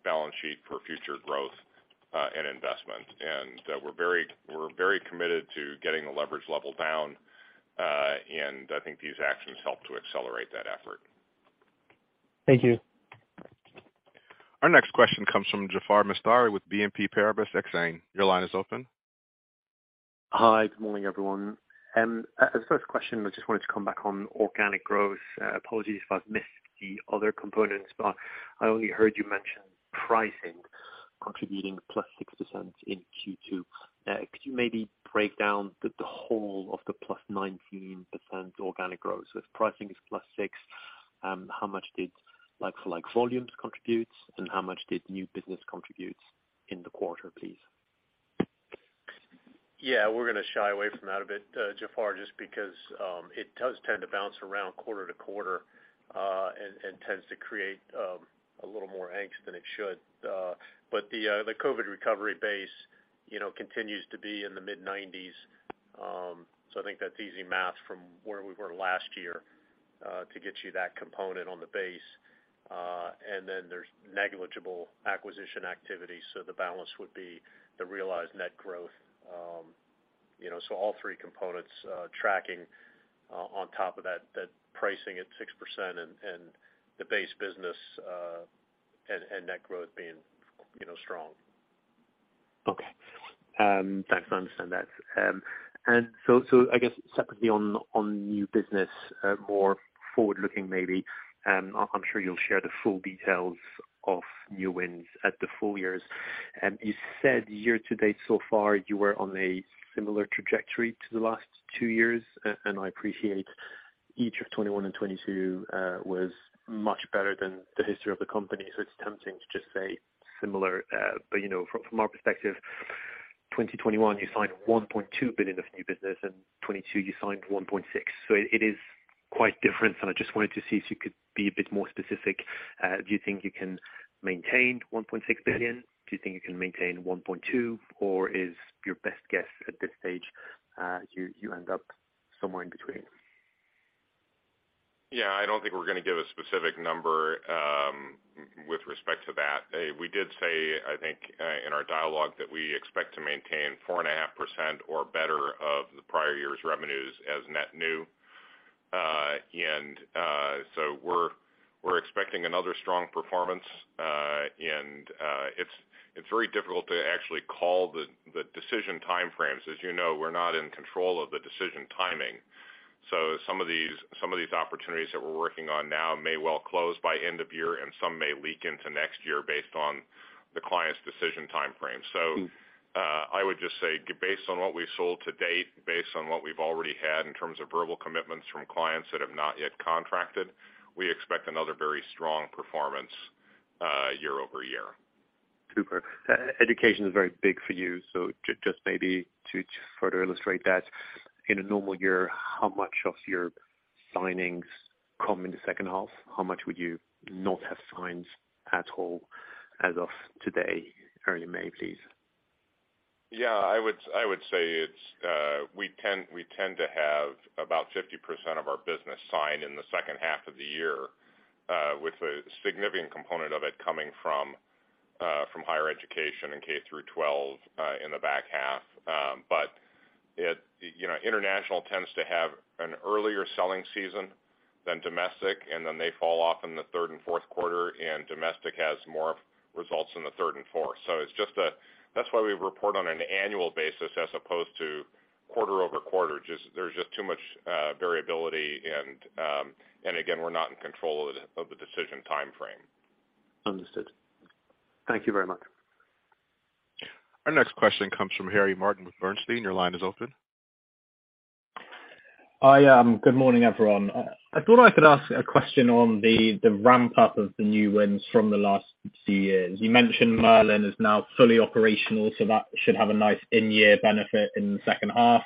balance sheet for future growth and investment. We're very, we're very committed to getting the leverage level down. And I think these actions help to accelerate that effort. Thank you. Our next question comes from Jaafar Mestari with BNP Paribas Exane. Your line is open. Hi. Good morning, everyone. As the first question, I just wanted to come back on organic growth. Apologies if I've missed the other components, but I only heard you mention pricing contributing plus 6% in Q2. Could you maybe break down the whole of the plus 19% organic growth? If pricing is +6, how much did like for like volumes contribute and how much did new business contribute in the quarter, please? Yeah, we're gonna shy away from that a bit, Jaafar, just because it does tend to bounce around quarter-to-quarter and tends to create a little more angst than it should. But the COVID recovery base, you know, continues to be in the mid-90s. I think that's easy math from where we were last year to get you that component on the base. Then there's negligible acquisition activity, so the balance would be the realized net growth. You know, all three components tracking on top of that pricing at 6% and the base business and net growth being, you know, strong. Okay. Thanks. I understand that. I guess separately on new business, more forward-looking maybe, I'm sure you'll share the full details of new wins at the full years. You said year to date so far you were on a similar trajectory to the last two years. And I appreciate each of 2021 and 2022 was much better than the history of the company, so it's tempting to just say similar. You know, from our perspective, 2021 you signed $1.2 billion of new business, and 2022 you signed $1.6 billion. It is quite different, and I just wanted to see if you could be a bit more specific. Do you think you can maintain $1.6 billion? Do you think you can maintain 1.2, or is your best guess at this stage, you end up somewhere in between? Yeah, I don't think we're gonna give a specific number, with respect to that. We did say, I think, in our dialogue that we expect to maintain 4.5% or better of the prior year's revenues as net new. We're expecting another strong performance. It's very difficult to actually call the decision time frames. As you know, we're not in control of the decision timing. Some of these opportunities that we're working on now may well close by end of year, and some may leak into next year based on the client's decision time frame. Mm. I would just say based on what we've sold to date, based on what we've already had in terms of verbal commitments from clients that have not yet contracted, we expect another very strong performance, year-over-year. Super. E-education is very big for you. just maybe to further illustrate that, in a normal year, how much of your signings come in the second half? How much would you not have signed at all as of today, early May, please? Yeah, I would say it's, we tend to have about 50% of our business signed in the second half of the year, with a significant component of it coming from higher education and K-12 in the back half. You know, international tends to have an earlier selling season than domestic, and then they fall off in the third and fourth quarter, and domestic has more results in the third and fourth. That's why we report on an annual basis as opposed to quarter-over-quarter. There's just too much variability and again, we're not in control of the, of the decision timeframe. Understood. Thank you very much. Our next question comes from Harry Martin with Bernstein. Your line is open. Good morning, everyone. I thought I could ask a question on the ramp-up of the new wins from the last few years. You mentioned Merlin is now fully operational, so that should have a nice in-year benefit in the second half.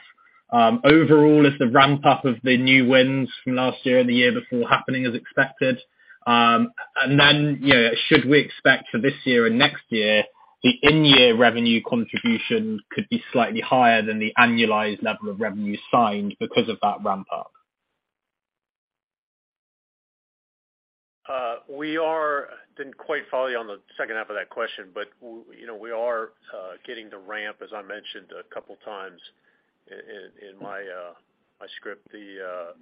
Overall, is the ramp-up of the new wins from last year and the year before happening as expected? Then, you know, should we expect for this year and next year, the in-year revenue contribution could be slightly higher than the annualized level of revenue signed because of that ramp-up? Didn't quite follow you on the second half of that question, but we, you know, we are getting the ramp, as I mentioned a couple times in my script. The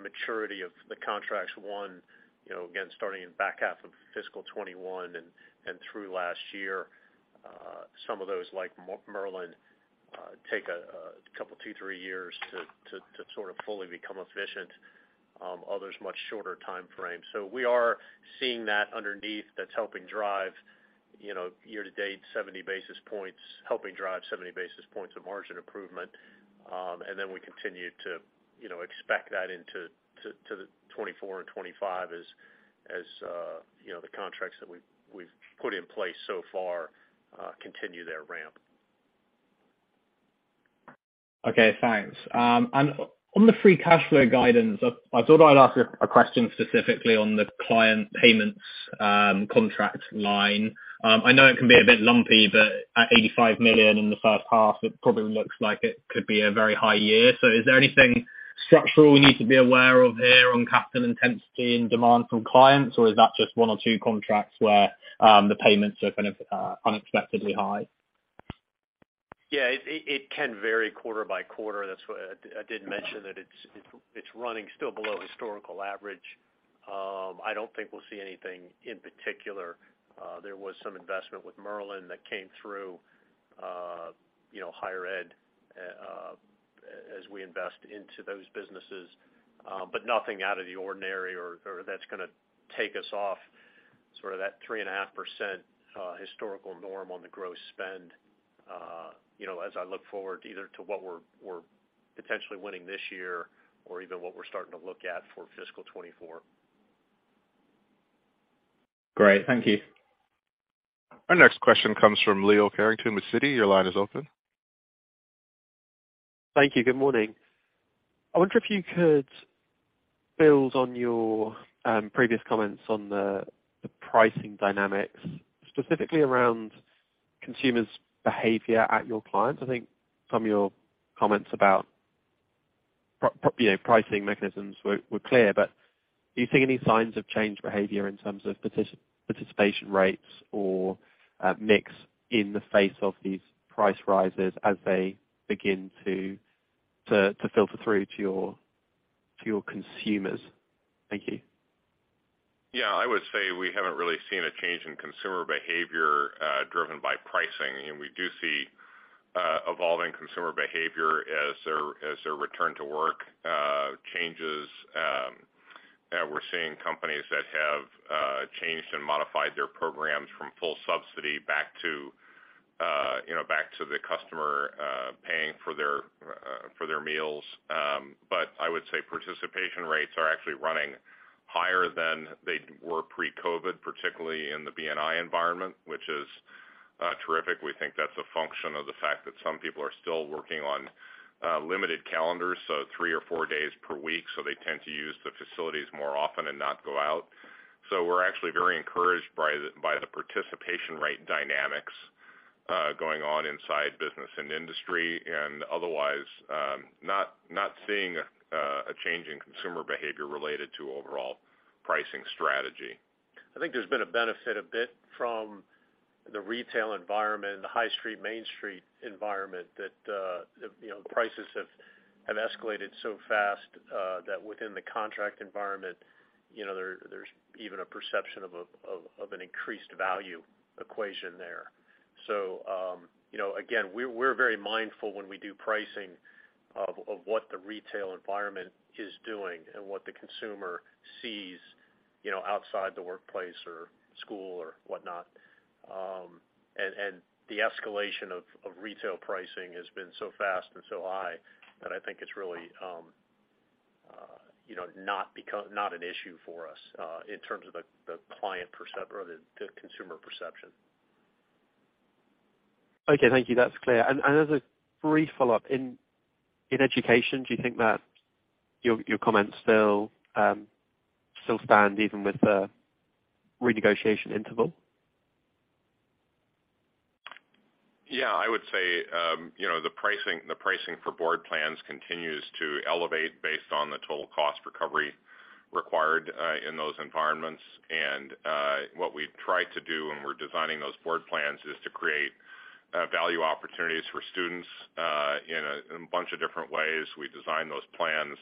maturity of the contracts won, you know, again, starting in back half of fiscal 2021 and through last year. Some of those, like Merlin, take a couple, two, three years to sort of fully become efficient. Others, much shorter timeframe. We are seeing that underneath. That's helping drive, you know, year to date, 70 basis points, helping drive 70 basis points of margin improvement. We continue to, you know, expect that into 2024 and 2025 as, you know, the contracts that we've put in place so far, continue their ramp. Okay, thanks. On the free cash flow guidance, I thought I'd ask a question specifically on the client payments contract line. I know it can be a bit lumpy, but at $85 million in the first half, it probably looks like it could be a very high year. Is there anything structural we need to be aware of here on capital intensity and demand from clients, or is that just one or two contracts where the payments are kind of unexpectedly high? Yeah, it can vary quarter by quarter. I did mention that it's running still below historical average. I don't think we'll see anything in particular. There was some investment with Merlin that came through, you know, higher ed, as we invest into those businesses, but nothing out of the ordinary or that's gonna take us off sort of that 3.5%, historical norm on the gross spend, you know, as I look forward either to what we're potentially winning this year or even what we're starting to look at for fiscal 2024. Great. Thank you. Our next question comes from Leo Carrington with Citi. Your line is open. Thank you. Good morning. I wonder if you build on your previous comments on the pricing dynamics, specifically around consumers' behavior at your clients. I think some of your comments about you know, pricing mechanisms were clear. Do you see any signs of changed behavior in terms of participation rates or mix in the face of these price rises as they begin to filter through to your consumers? Thank you. Yeah. I would say we haven't really seen a change in consumer behavior driven by pricing. We do see evolving consumer behavior as their return to work changes. We're seeing companies that have changed and modified their programs from full subsidy back to, you know, back to the customer paying for their meals. I would say participation rates are actually running higher than they were pre-COVID, particularly in the B&I environment, which is terrific. We think that's a function of the fact that some people are still working on limited calendars, so three or four days per week, so they tend to use the facilities more often and not go out. We're actually very encouraged by the participation rate dynamics going on inside Business & Industry. Otherwise, not seeing a change in consumer behavior related to overall pricing strategy. I think there's been a benefit a bit from the retail environment, the high street, Main Street environment that, you know, prices have escalated so fast, that within the contract environment, you know, there's even a perception of an increased value equation there. You know, again, we're very mindful when we do pricing of what the retail environment is doing and what the consumer sees, you know, outside the workplace or school or whatnot. The escalation of retail pricing has been so fast and so high that I think it's really, you know, not become not an issue for us, in terms of the consumer perception. Okay. Thank you. That's clear. As a brief follow-up, in education, do you think that your comments still stand even with the renegotiation interval? Yeah, I would say, you know, the pricing for board plans continues to elevate based on the total cost recovery required in those environments. What we try to do when we're designing those board plans is to create value opportunities for students in a bunch of different ways. We design those plans,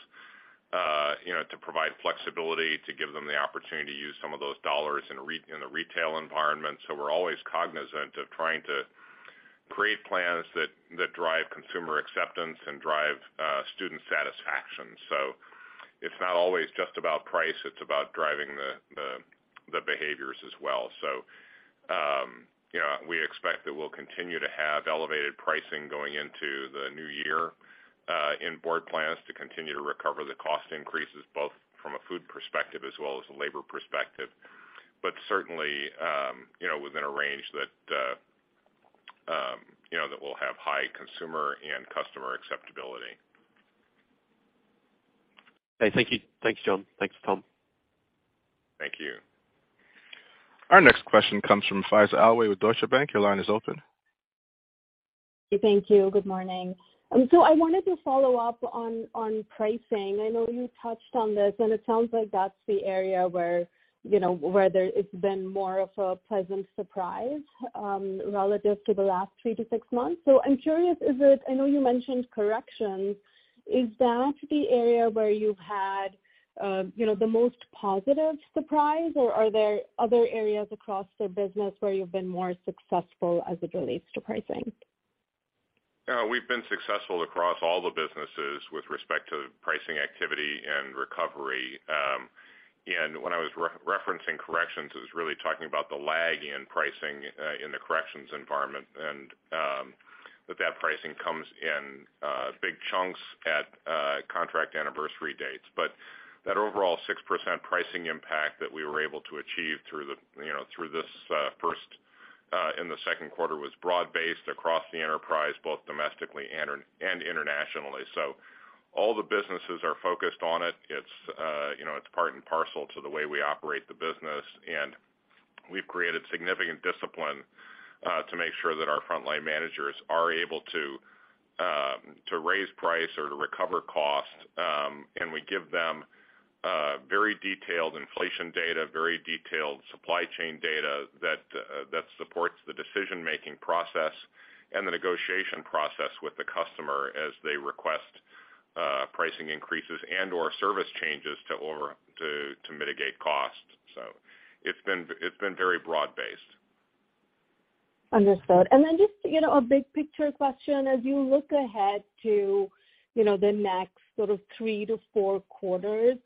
you know, to provide flexibility to give them the opportunity to use some of those dollars in the retail environment. We're always cognizant of trying to create plans that drive consumer acceptance and drive student satisfaction. It's not always just about price, it's about driving the behaviors as well. You know, we expect that we'll continue to have elevated pricing going into the new year, in board plans to continue to recover the cost increases, both from a food perspective as well as a labor perspective. Certainly, you know, within a range that, you know, that will have high consumer and customer acceptability. Okay. Thank you. Thanks, John. Thanks, Tom. Thank you. Our next question comes from Faiza Alwy with Deutsche Bank. Your line is open. Thank you. Good morning. I wanted to follow up on pricing. I know you touched on this, and it sounds like that's the area where, you know, where there it's been more of a pleasant surprise, relative to the last 3 to 6 months. I'm curious, is it? I know you mentioned corrections. Is that the area where you've had, you know, the most positive surprise, or are there other areas across the business where you've been more successful as it relates to pricing? We've been successful across all the businesses with respect to pricing activity and recovery. When I was re-referencing corrections is really talking about the lag in pricing in the corrections environment and that pricing comes in big chunks at contract anniversary dates. That overall 6% pricing impact that we were able to achieve through the through this first in the second quarter was broad-based across the enterprise, both domestically and internationally. All the businesses are focused on it. It's part and parcel to the way we operate the business, and we've created significant discipline to make sure that our frontline managers are able to to raise price or to recover cost. We give them very detailed inflation data, very detailed supply chain data that supports the decision-making process and the negotiation process with the customer as they request pricing increases and/or service changes to mitigate costs. It's been very broad based. Understood. Then just, you know, a big picture question. As you look ahead to, you know, the next sort of three to four quarters,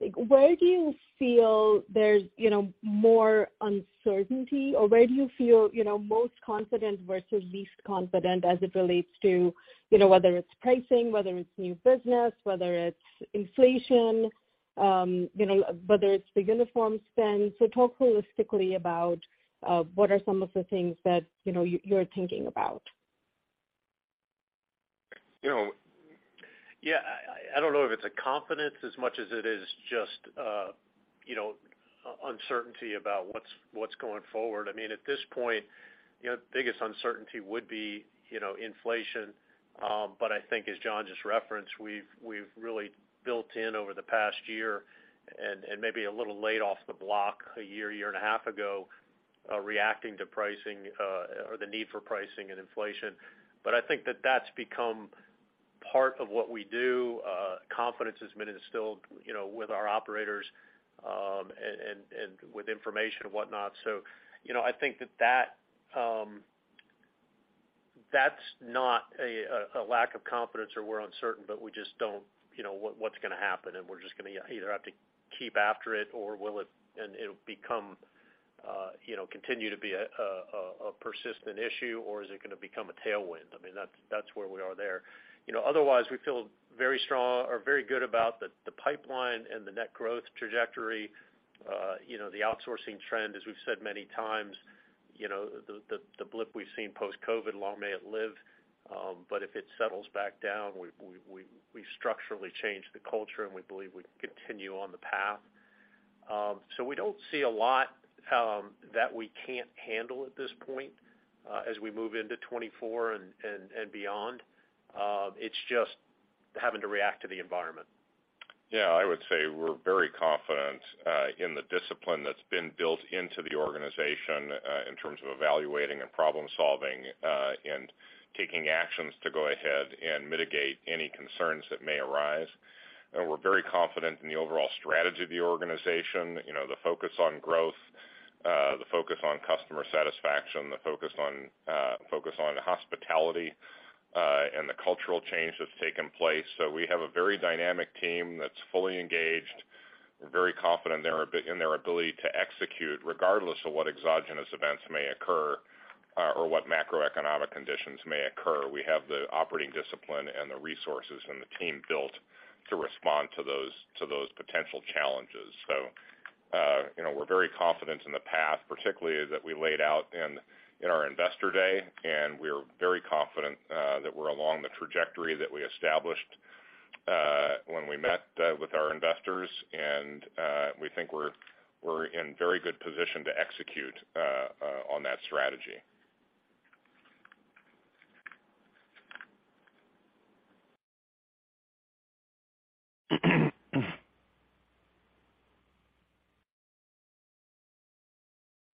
like, where do you feel there's, you know, more uncertainty? Where do you feel, you know, most confident versus least confident as it relates to, you know, whether it's pricing, whether it's new business, whether it's inflation, you know, whether it's the uniform spend? Talk holistically about what are some of the things that you know, you're thinking about. You know, yeah, I don't know if it's a confidence as much as it is just, you know, uncertainty about what's going forward. I mean, at this point, you know, the biggest uncertainty would be, you know, inflation. I think as John just referenced, we've really built in over the past year and maybe a little late off the block a year and a half ago, reacting to pricing, or the need for pricing and inflation. I think that that's become part of what we do. Confidence has been instilled, you know, with our operators, and with information and whatnot. you know, I think that that's not a lack of confidence or we're uncertain, but we just don't, you know, what's gonna happen, and we're just gonna either have to keep after it or it'll become, you know, continue to be a persistent issue, or is it gonna become a tailwind? I mean, that's where we are there. You know, otherwise, we feel very strong or very good about the pipeline and the net growth trajectory. you know, the outsourcing trend, as we've said many times, you know, the blip we've seen post-COVID, long may it live. if it settles back down, we structurally changed the culture, and we believe we continue on the path. We don't see a lot that we can't handle at this point as we move into 2024 and beyond. It's just having to react to the environment. Yeah, I would say we're very confident in the discipline that's been built into the organization in terms of evaluating and problem-solving and taking actions to go ahead and mitigate any concerns that may arise. We're very confident in the overall strategy of the organization, you know, the focus on growth, the focus on customer satisfaction, the focus on hospitality, and the cultural change that's taken place. We have a very dynamic team that's fully engaged. We're very confident in their ability to execute regardless of what exogenous events may occur or what macroeconomic conditions may occur. We have the operating discipline and the resources and the team built to respond to those potential challenges. You know, we're very confident in the path, particularly that we laid out in our investor day, and we're very confident that we're along the trajectory that we established when we met with our investors. We think we're in very good position to execute on that strategy.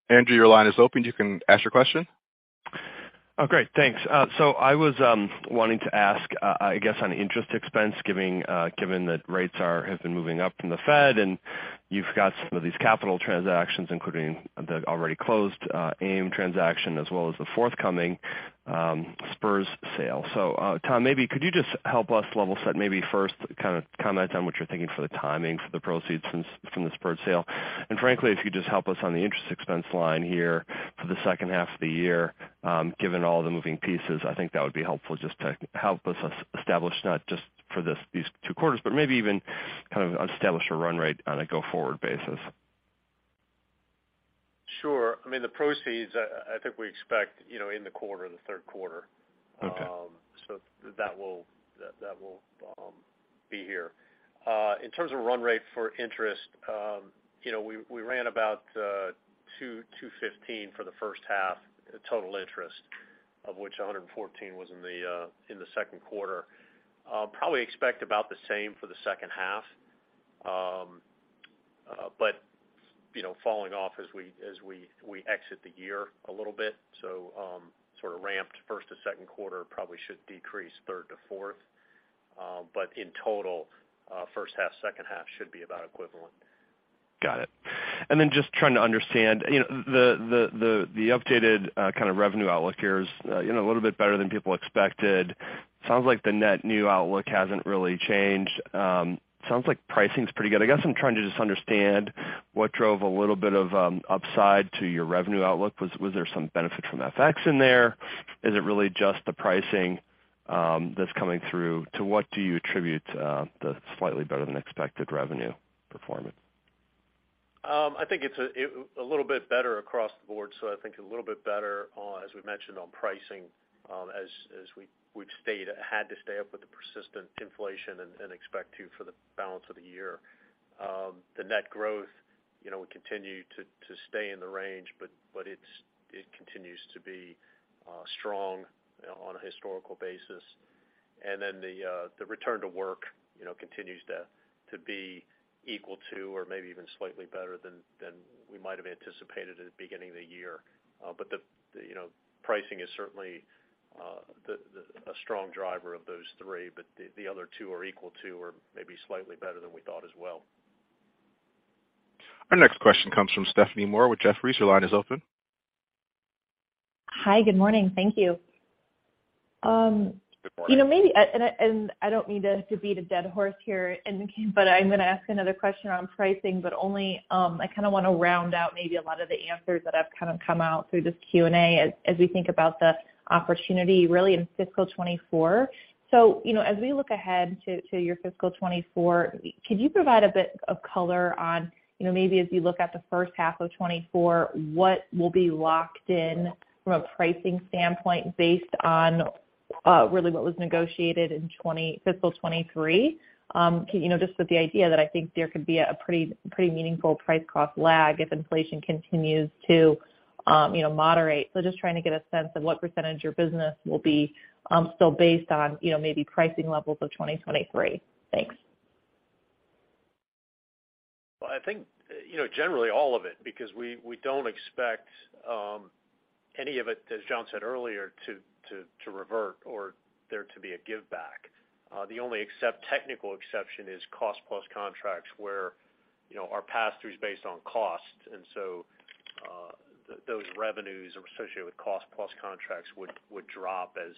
Andrew, your line is open. You can ask your question. Great. Thanks. I was wanting to ask, I guess on interest expense given that rates are, have been moving up from the Fed, and you've got some of these capital transactions, including the already closed AIM transaction, as well as the forthcoming Spurs sale. Tom, maybe could you just help us level set, maybe first kind of comment on what you're thinking for the timing for the proceeds from the Spurs sale. Frankly, if you could just help us on the interest expense line here for the second half of the year, given all the moving pieces, I think that would be helpful just to help us establish not just for this, these two quarters, but maybe even kind of establish a run rate on a go-forward basis. Sure. I mean, the proceeds, I think we expect, you know, in the quarter, the third quarter. Okay. That will, that will be here. In terms of run rate for interest, you know, we ran about $215 for the first half total interest, of which $114 was in the second quarter. Probably expect about the same for the second half. You know, falling off as we exit the year a little bit. Sort of ramped first to second quarter, probably should decrease third to fourth. In total, first half, second half should be about equivalent. Got it. Then just trying to understand, you know, the updated, kind of revenue outlook here is, you know, a little bit better than people expected. Sounds like the net new outlook hasn't really changed. Sounds like pricing's pretty good. I guess I'm trying to just understand what drove a little bit of upside to your revenue outlook. Was there some benefit from FX in there? Is it really just the pricing that's coming through? To what do you attribute the slightly better than expected revenue performance? I think it's a little bit better across the board. I think a little bit better on, as we mentioned on pricing, as we had to stay up with the persistent inflation and expect to for the balance of the year. The net growth, you know, will continue to stay in the range, but it continues to be strong on a historical basis. The return to work, you know, continues to be equal to or maybe even slightly better than we might have anticipated at the beginning of the year. The, you know, pricing is certainly a strong driver of those three, but the other two are equal to or maybe slightly better than we thought as well. Our next question comes from Stephanie Moore with Jefferies. Your line is open. Hi, good morning. Thank you. Good morning. You know, maybe... I don't mean to beat a dead horse here but I'm going to ask another question around pricing, but only, I kind of want to round out maybe a lot of the answers that have kind of come out through this Q&A as we think about the opportunity really in fiscal 2024. You know, as we look ahead to your fiscal 2024, could you provide a bit of color on, you know, maybe as you look at the first half of 2024, what will be locked in from a pricing standpoint based on Really what was negotiated in fiscal 2023, you know, just with the idea that I think there could be a pretty meaningful price cost lag if inflation continues to, you know, moderate. Just trying to get a sense of what % your business will be, still based on, you know, maybe pricing levels of 2023. Thanks. I think, you know, generally all of it because we don't expect, any of it, as John said earlier, to revert or there to be a give back. The only technical exception is cost plus contracts where, you know, our pass-through is based on cost. Those revenues associated with cost plus contracts would drop as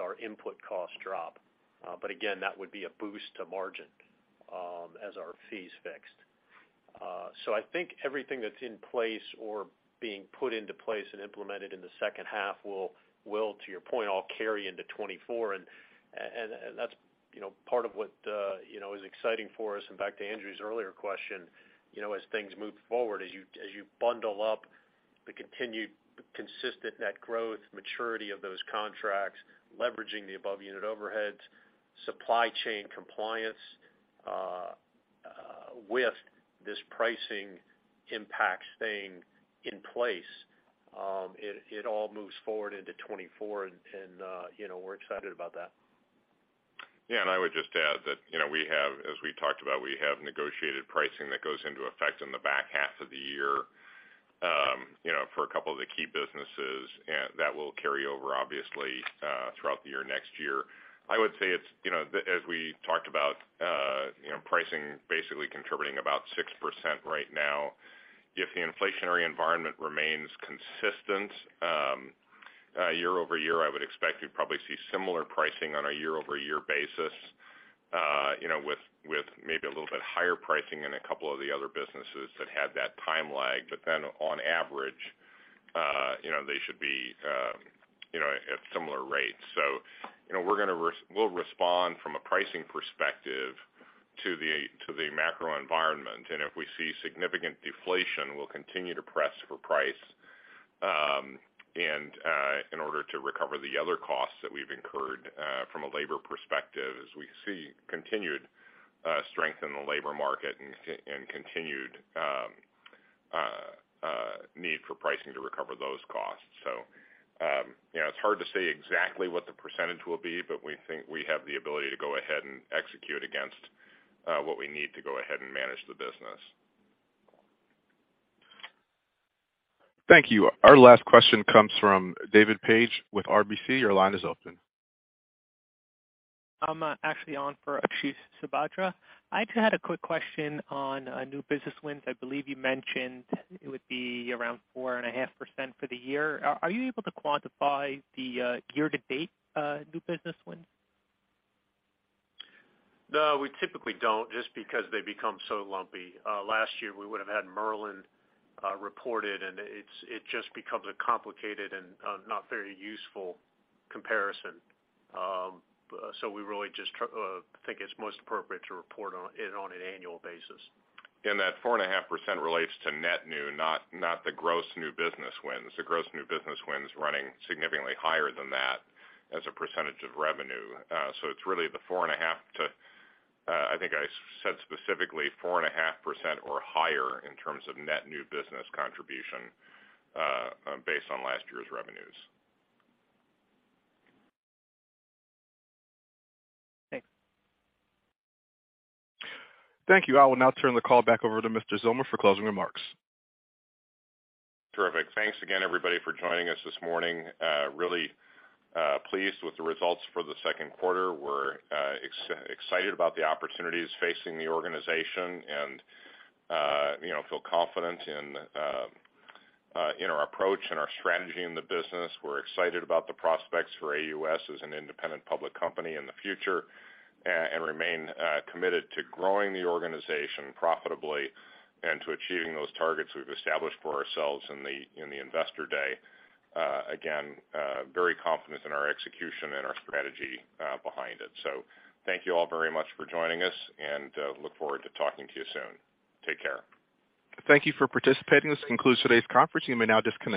our input costs drop. But again, that would be a boost to margin, as our fee is fixed. So I think everything that's in place or being put into place and implemented in the second half will, to your point, all carry into 2024. That's, you know, part of what, you know, is exciting for us. Back to Andrew's earlier question, you know, as things move forward, as you bundle up the continued consistent net growth, maturity of those contracts, leveraging the above unit overheads, supply chain compliance, with this pricing impact staying in place, it all moves forward into 2024 and, you know, we're excited about that. Yeah. I would just add that, you know, we have, as we talked about, we have negotiated pricing that goes into effect in the back half of the year, you know, for a couple of the key businesses and that will carry over obviously, throughout the year next year. I would say it's, you know, as we talked about, you know, pricing basically contributing about 6% right now. If the inflationary environment remains consistent, year-over-year, I would expect you'd probably see similar pricing on a year-over-year basis, you know, with maybe a little bit higher pricing in a couple of the other businesses that had that time lag. On average, you know, they should be, you know, at similar rates. You know, we'll respond from a pricing perspective to the macro environment. If we see significant deflation, we'll continue to press for price, and in order to recover the other costs that we've incurred from a labor perspective as we see continued strength in the labor market and continued need for pricing to recover those costs. You know, it's hard to say exactly what the percentage will be, but we think we have the ability to go ahead and execute against what we need to go ahead and manage the business. Thank you. Our last question comes from David Page with RBC. Your line is open. I'm actually on for Ashish Sabadra. I just had a quick question on new business wins. I believe you mentioned it would be around 4.5% for the year. Are you able to quantify the year to date new business wins? No, we typically don't just because they become so lumpy. Last year we would've had Merlin reported and it just becomes a complicated and not very useful comparison. We really just think it's most appropriate to report on it on an annual basis. That 4.5% relates to net new, not the gross new business wins. The gross new business wins running significantly higher than that as a percentage of revenue. It's really the 4.5 to, I think I said specifically 4.5% or higher in terms of net new business contribution, based on last year's revenues. Thanks. Thank you. I will now turn the call back over to Mr. Zillmer for closing remarks. Terrific. Thanks again everybody for joining us this morning. Really pleased with the results for the second quarter. We're excited about the opportunities facing the organization and, you know, feel confident in our approach and our strategy in the business. We're excited about the prospects for AUS as an independent public company in the future and remain committed to growing the organization profitably and to achieving those targets we've established for ourselves in the investor day. Again, very confident in our execution and our strategy, behind it. Thank you all very much for joining us, and look forward to talking to you soon. Take care. Thank you for participating. This concludes today's conference. You may now disconnect.